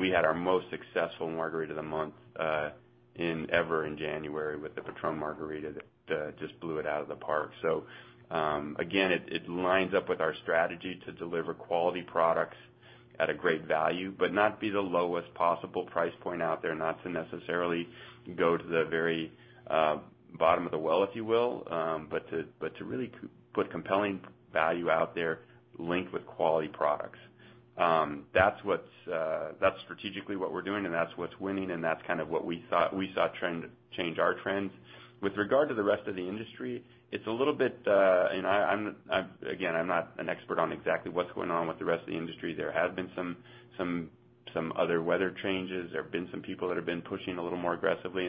We had our most successful Margarita of the Month ever in January with the Patrón margarita that just blew it out of the park. Again, it lines up with our strategy to deliver quality products at a great value, but not be the lowest possible price point out there. Not to necessarily go to the very bottom of the well, if you will, but to really put compelling value out there linked with quality products. That's strategically what we're doing, and that's what's winning, and that's kind of what we saw change our trends. With regard to the rest of the industry, again, I'm not an expert on exactly what's going on with the rest of the industry. There have been some other weather changes. There have been some people that have been pushing a little more aggressively.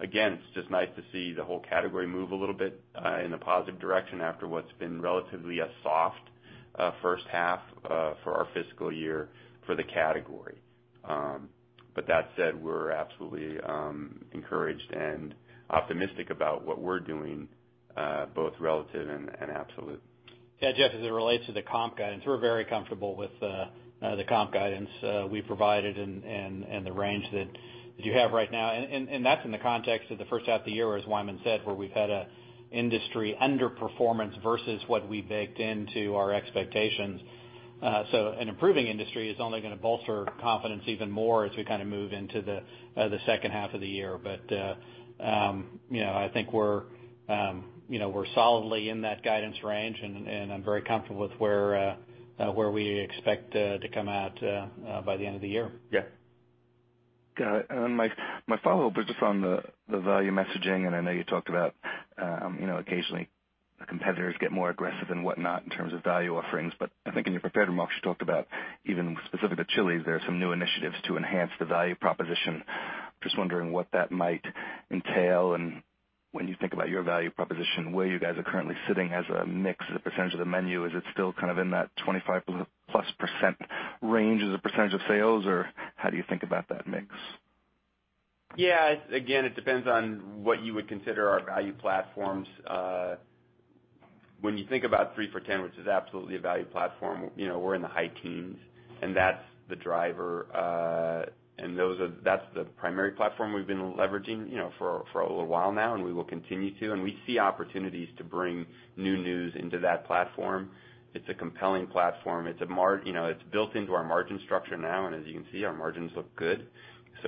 Again, it's just nice to see the whole category move a little bit in a positive direction after what's been relatively a soft first half for our fiscal year for the category. That said, we're absolutely encouraged and optimistic about what we're doing both relative and absolute. Yeah, Jeff, as it relates to the comp guidance, we're very comfortable with the comp guidance we provided and the range that you have right now. That's in the context of the first half of the year, as Wyman said, where we've had an industry underperformance versus what we baked into our expectations. An improving industry is only going to bolster confidence even more as we kind of move into the second half of the year. I think we're solidly in that guidance range, and I'm very comfortable with where we expect to come out by the end of the year. Yeah. Got it. My follow-up is just on the value messaging, I know you talked about occasionally the competitors get more aggressive and whatnot in terms of value offerings. I think in your prepared remarks, you talked about even specific to Chili's, there are some new initiatives to enhance the value proposition. Just wondering what that might entail and when you think about your value proposition, where you guys are currently sitting as a mix as a percentage of the menu. Is it still kind of in that 25%+ range as a percentage of sales, or how do you think about that mix? Yeah. Again, it depends on what you would consider our value platforms. When you think about 3 for $10, which is absolutely a value platform, we're in the high teens. That's the driver. That's the primary platform we've been leveraging for a little while now, and we will continue to. We see opportunities to bring new news into that platform. It's a compelling platform. It's built into our margin structure now, and as you can see, our margins look good.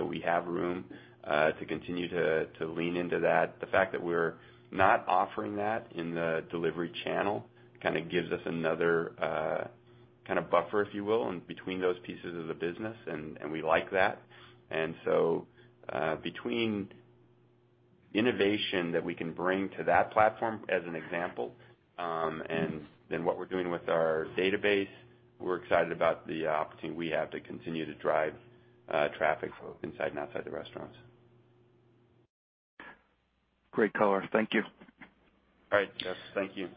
We have room to continue to lean into that. The fact that we're not offering that in the delivery channel kind of gives us another buffer, if you will, between those pieces of the business, and we like that. Between innovation that we can bring to that platform, as an example, and then what we're doing with our database, we're excited about the opportunity we have to continue to drive traffic both inside and outside the restaurants. Great color. Thank you. All right, Jeff. Thank you.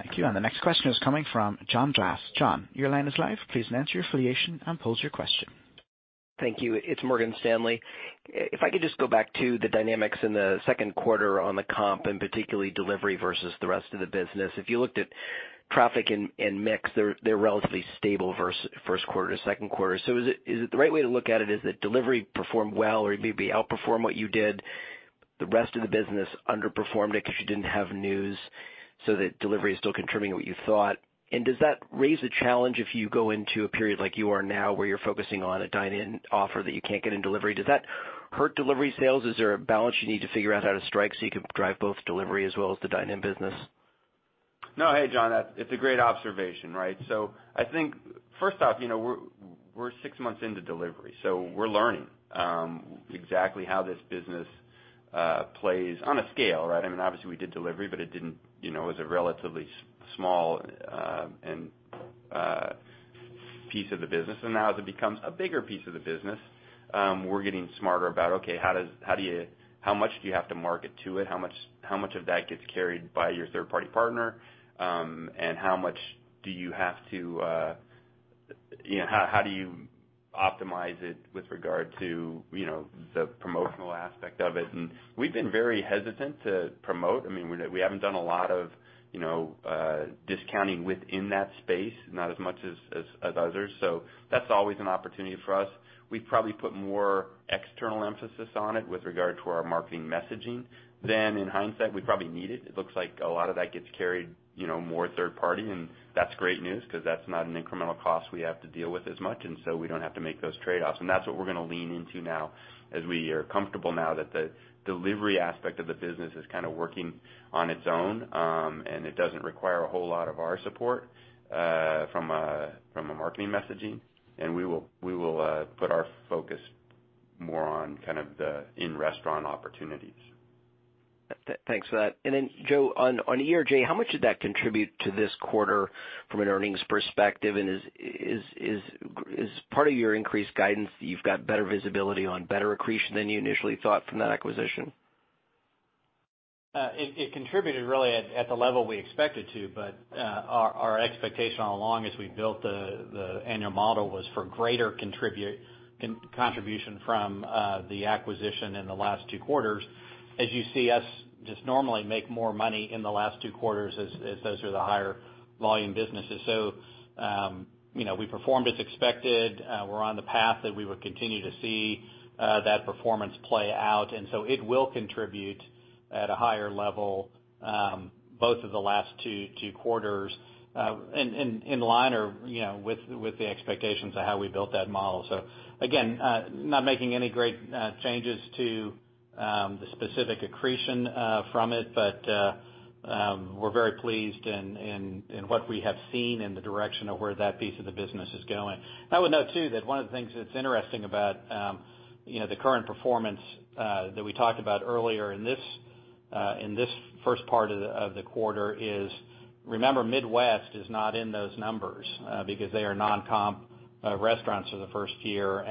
Thank you. The next question is coming from John Glass. John, your line is live. Please state your affiliation and pose your question. Thank you. It's Morgan Stanley. If I could just go back to the dynamics in the second quarter on the comp, and particularly delivery versus the rest of the business. If you looked at traffic and mix, they're relatively stable first quarter, second quarter. Is the right way to look at it is that delivery performed well or maybe outperformed what you did, the rest of the business underperformed it because you didn't have news, so that delivery is still contributing what you thought? Does that raise a challenge if you go into a period like you are now, where you're focusing on a dine-in offer that you can't get in delivery? Does that hurt delivery sales? Is there a balance you need to figure out how to strike so you can drive both delivery as well as the dine-in business? No. Hey, John, it's a great observation, right? I think first off, we're six months into delivery, we're learning exactly how this business plays on a scale, right? I mean, obviously we did delivery, but it was a relatively small piece of the business. Now as it becomes a bigger piece of the business, we're getting smarter about, okay, how much do you have to market to it? How much of that gets carried by your third-party partner, and how do you optimize it with regard to the promotional aspect of it? We've been very hesitant to promote. We haven't done a lot of discounting within that space, not as much as others. That's always an opportunity for us. We've probably put more external emphasis on it with regard to our marketing messaging than in hindsight we probably needed. It looks like a lot of that gets carried more third party, and that's great news because that's not an incremental cost we have to deal with as much, and so we don't have to make those trade-offs. That's what we're going to lean into now as we are comfortable now that the delivery aspect of the business is kind of working on its own, and it doesn't require a whole lot of our support from a marketing messaging. We will put our focus more on the in-restaurant opportunities. Thanks for that. Joe, on ERJ, how much did that contribute to this quarter from an earnings perspective? Is part of your increased guidance that you've got better visibility on better accretion than you initially thought from that acquisition? It contributed really at the level we expected to, but our expectation all along as we built the annual model was for greater contribution from the acquisition in the last two quarters, as you see us just normally make more money in the last two quarters as those are the higher volume businesses. We performed as expected. We're on the path that we would continue to see that performance play out. It will contribute at a higher level both of the last two quarters in line or with the expectations of how we built that model. Again, not making any great changes to the specific accretion from it, but we're very pleased in what we have seen and the direction of where that piece of the business is going. I would note, too, that one of the things that's interesting about the current performance that we talked about earlier in this first part of the quarter is, remember, Midwest is not in those numbers because they are non-comp restaurants for the first year.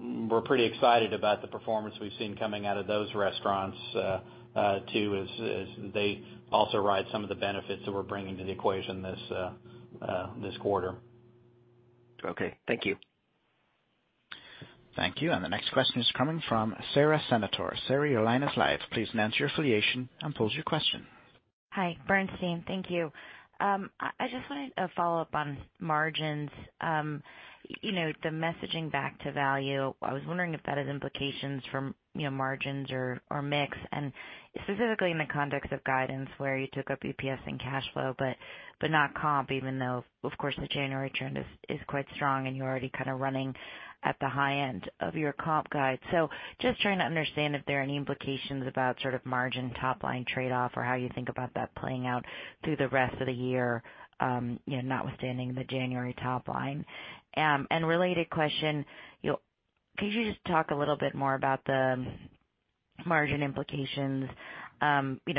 We're pretty excited about the performance we've seen coming out of those restaurants too, as they also ride some of the benefits that we're bringing to the equation this quarter. Okay. Thank you. Thank you. The next question is coming from Sara Senatore. Sara, your line is live. Please state your affiliation and pose your question. Hi, Bernstein. Thank you. I just wanted a follow-up on margins. The messaging back to value, I was wondering if that has implications from margins or mix and specifically in the context of guidance where you took up EPS and cash flow, but not comp, even though, of course, the January trend is quite strong and you're already kind of running at the high end of your comp guide. Just trying to understand if there are any implications about sort of margin top-line trade-off or how you think about that playing out through the rest of the year, notwithstanding the January top line. Related question, could you just talk a little bit more about the margin implications?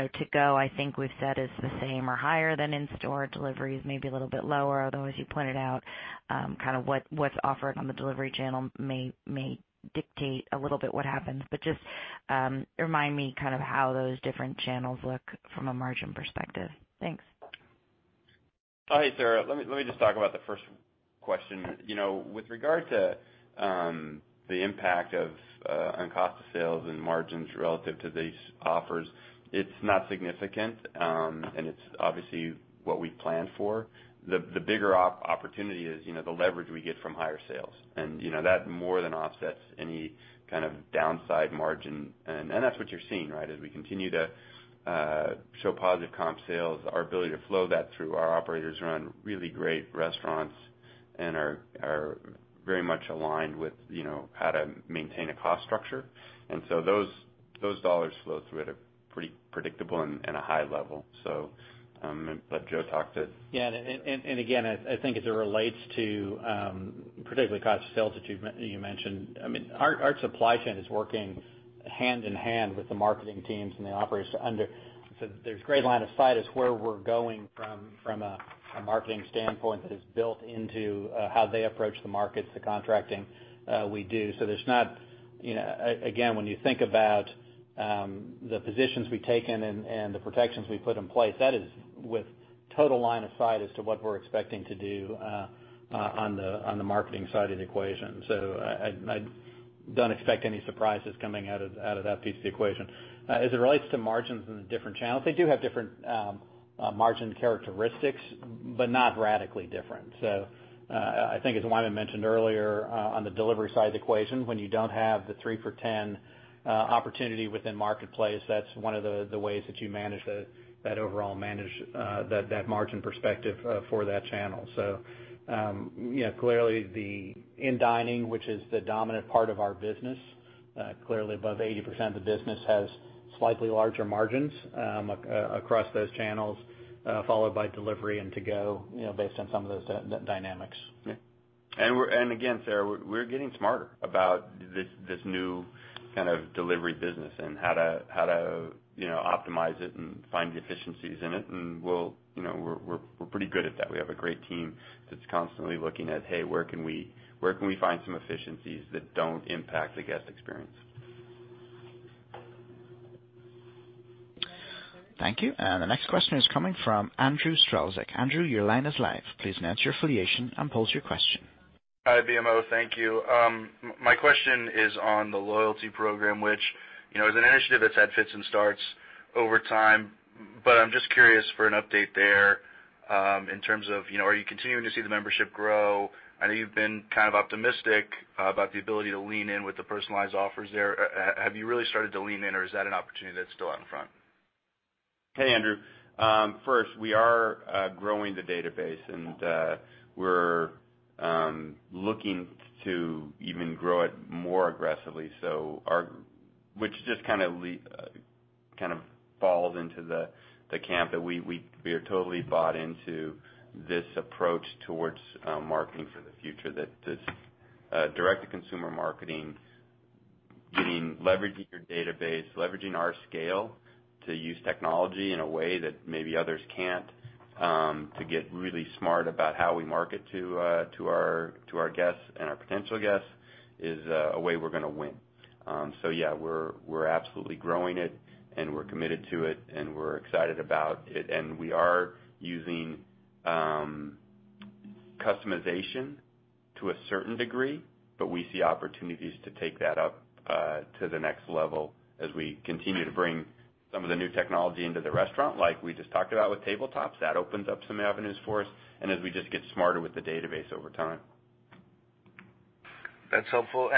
To go, I think we've said is the same or higher than in-store deliveries, maybe a little bit lower, although, as you pointed out, what's offered on the delivery channel may dictate a little bit what happens. Just remind me kind of how those different channels look from a margin perspective. Thanks. Hi, Sara. Let me just talk about the first question. With regard to the impact on cost of sales and margins relative to these offers, it's not significant, and it's obviously what we've planned for. The bigger opportunity is the leverage we get from higher sales. That more than offsets any kind of downside margin. That's what you're seeing, right? As we continue to show positive comp sales, our ability to flow that through, our operators run really great restaurants and are very much aligned with how to maintain a cost structure. Those dollars flow through at a pretty predictable and a high level. Let Joe talk to that. Yeah. Again, I think as it relates to particularly cost of sales that you mentioned, our supply chain is working hand in hand with the marketing teams and the operators. There's great line of sight as where we're going from a marketing standpoint that is built into how they approach the markets, the contracting we do. Again, when you think about the positions we've taken and the protections we've put in place, that is with total line of sight as to what we're expecting to do on the marketing side of the equation. I don't expect any surprises coming out of that piece of the equation. As it relates to margins in the different channels, they do have different margin characteristics, but not radically different. I think as Wyman mentioned earlier on the delivery side of the equation, when you don't have the 3 for $10 opportunity within Marketplace, that's one of the ways that you manage that margin perspective for that channel. Clearly the in dining, which is the dominant part of our business, clearly above 80% of the business, has slightly larger margins across those channels, followed by delivery and to go, based on some of those dynamics. Yeah. Again, Sara, we're getting smarter about this new kind of delivery business and how to optimize it and find the efficiencies in it. We're pretty good at that. We have a great team that's constantly looking at, hey, where can we find some efficiencies that don't impact the guest experience? Thank you. The next question is coming from Andrew Strelzik. Andrew, your line is live. Please state your affiliation and pose your question. Hi, BMO, thank you. My question is on the loyalty program, which is an initiative that's had fits and starts over time, but I'm just curious for an update there, in terms of, are you continuing to see the membership grow? I know you've been kind of optimistic about the ability to lean in with the personalized offers there. Have you really started to lean in or is that an opportunity that's still out in front? Hey, Andrew. First, we are growing the database, and we're looking to even grow it more aggressively. It just kind of falls into the camp that we are totally bought into this approach towards marketing for the future, that this direct-to-consumer marketing, leveraging your database, leveraging our scale to use technology in a way that maybe others can't, to get really smart about how we market to our guests and our potential guests is a way we're going to win. Yeah, we're absolutely growing it, and we're committed to it, and we're excited about it. We are using customization to a certain degree, but we see opportunities to take that up to the next level as we continue to bring some of the new technology into the restaurant, like we just talked about with tabletops. That opens up some avenues for us, and as we just get smarter with the database over time. That's helpful.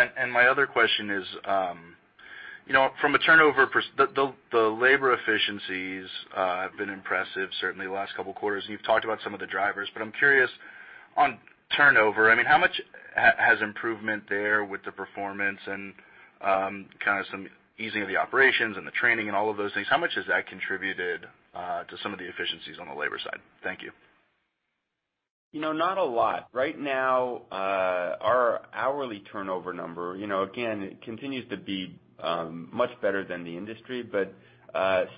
The labor efficiencies have been impressive, certainly the last couple of quarters, and you've talked about some of the drivers, but I'm curious on turnover. How much has improvement there with the performance and kind of some easing of the operations and the training and all of those things, how much has that contributed to some of the efficiencies on the labor side? Thank you. Not a lot. Right now, our hourly turnover number, again, it continues to be much better than the industry, but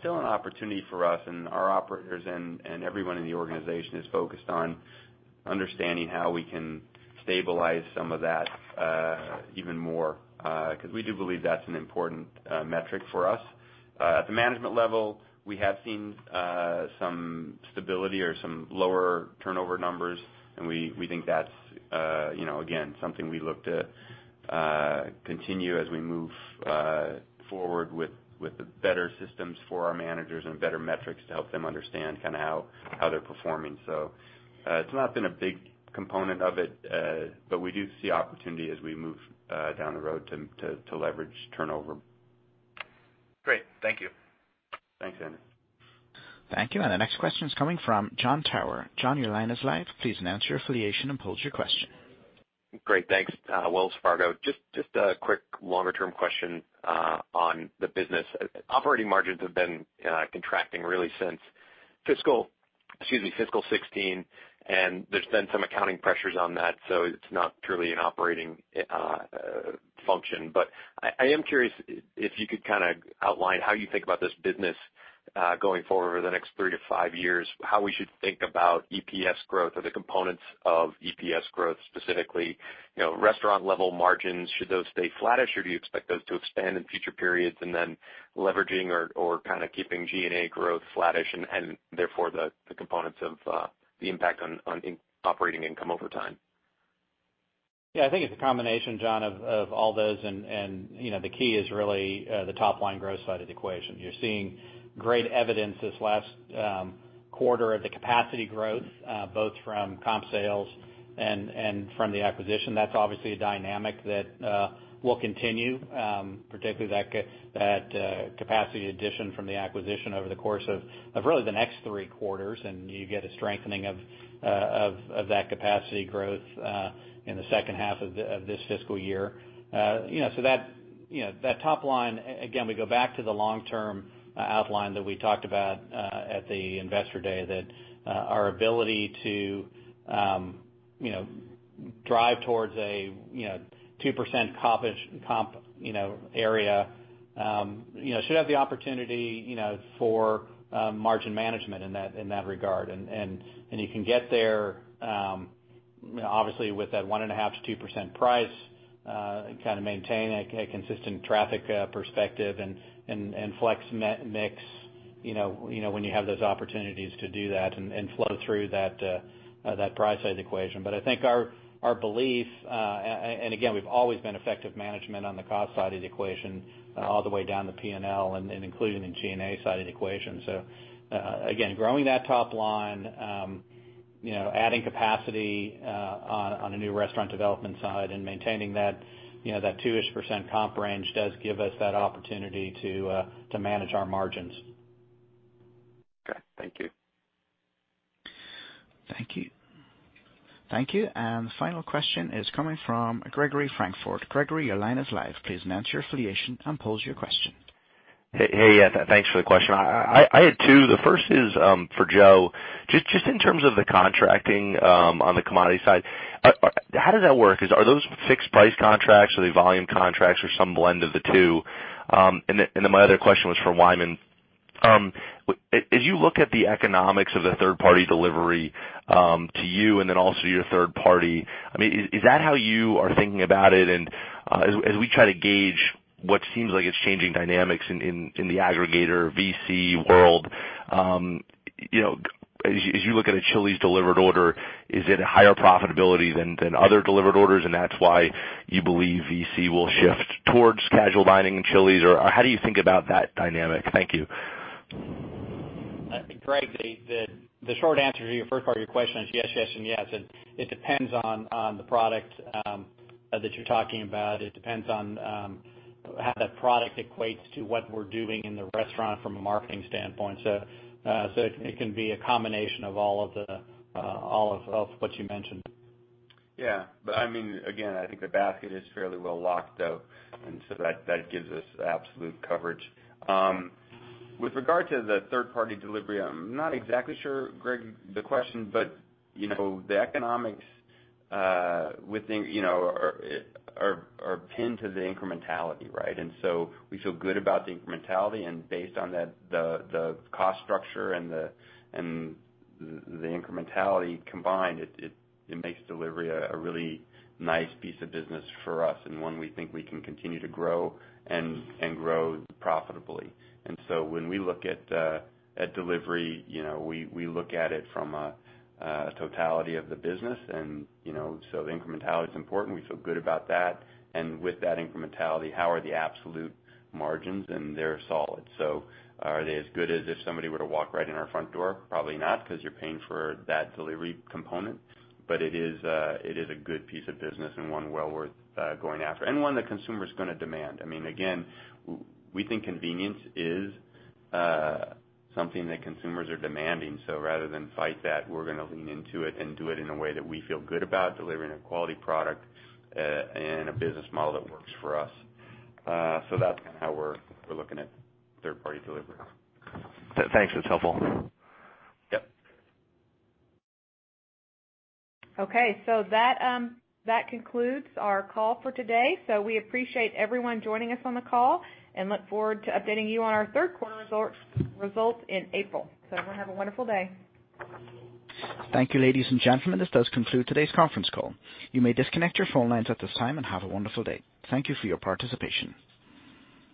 still an opportunity for us and our operators and everyone in the organization is focused on understanding how we can stabilize some of that even more. We do believe that's an important metric for us. At the management level, we have seen some stability or some lower turnover numbers, and we think that's again, something we look to continue as we move forward with the better systems for our managers and better metrics to help them understand how they're performing. It's not been a big component of it, but we do see opportunity as we move down the road to leverage turnover. Great. Thank you. Thanks, Andrew. Thank you. The next question is coming from Jon Tower. Jon, your line is live. Please state your affiliation and pose your question. Great. Thanks. Wells Fargo. Just a quick longer term question on the business. Operating margins have been contracting really since fiscal 2016, and there's been some accounting pressures on that, so it's not purely an operating function. I am curious if you could outline how you think about this business going forward over the next three to five years, how we should think about EPS growth or the components of EPS growth, specifically. Restaurant level margins, should those stay flattish or do you expect those to expand in future periods and then leveraging or kind of keeping G&A growth flattish and therefore the components of the impact on operating income over time? Yeah, I think it's a combination, John, of all those. The key is really the top line growth side of the equation. You're seeing great evidence this last quarter of the capacity growth, both from comp sales and from the acquisition. That's obviously a dynamic that will continue, particularly that capacity addition from the acquisition over the course of really the next three quarters. You get a strengthening of that capacity growth in the second half of this fiscal year. That top line, again, we go back to the long-term outline that we talked about at the investor day, that our ability to drive towards a 2% comp area should have the opportunity for margin management in that regard. You can get there, obviously with that 1.5%-2% price, kind of maintain a consistent traffic perspective and flex mix when you have those opportunities to do that and flow through that price side of the equation. I think our belief, and again, we've always been effective management on the cost side of the equation all the way down to P&L and including the G&A side of the equation. Again, growing that top line, adding capacity on the new restaurant development side and maintaining that two-ish percent comp range does give us that opportunity to manage our margins. Okay. Thank you. Thank you. Thank you. The final question is coming from Gregory Francfort. Gregory, your line is live. Please announce your affiliation and pose your question. Hey. Yeah. Thanks for the question. I had two. The first is for Joe. Just in terms of the contracting on the commodity side, how does that work? Are those fixed price contracts or are they volume contracts or some blend of the two? My other question was for Wyman. As you look at the economics of the third party delivery to you and then also your third party, is that how you are thinking about it? As we try to gauge what seems like it's changing dynamics in the aggregator VC world, as you look at a Chili's delivered order, is it a higher profitability than other delivered orders and that's why you believe VC will shift towards casual dining and Chili's? How do you think about that dynamic? Thank you. Greg, the short answer to your first part of your question is yes, and yes. It depends on the product that you're talking about. It depends on how that product equates to what we're doing in the restaurant from a marketing standpoint. It can be a combination of all of what you mentioned. Yeah. Again, I think the basket is fairly well locked up. That gives us absolute coverage. With regard to the third-party delivery, I'm not exactly sure, Greg, the question. The economics are pinned to the incrementality, right? We feel good about the incrementality and based on the cost structure and the incrementality combined, it makes delivery a really nice piece of business for us and one we think we can continue to grow and grow profitably. When we look at delivery, we look at it from a totality of the business. The incrementality is important. We feel good about that. With that incrementality, how are the absolute margins? They're solid. Are they as good as if somebody were to walk right in our front door? Probably not, because you're paying for that delivery component. It is a good piece of business and one well worth going after and one the consumer's going to demand. Again, we think convenience is something that consumers are demanding. Rather than fight that, we're going to lean into it and do it in a way that we feel good about delivering a quality product and a business model that works for us. That's kind of how we're looking at third-party delivery. Thanks. That's helpful. Yep. That concludes our call for today. We appreciate everyone joining us on the call and look forward to updating you on our third quarter results in April. Everyone have a wonderful day. Thank you, ladies and gentlemen. This does conclude today's conference call. You may disconnect your phone lines at this time and have a wonderful day. Thank you for your participation.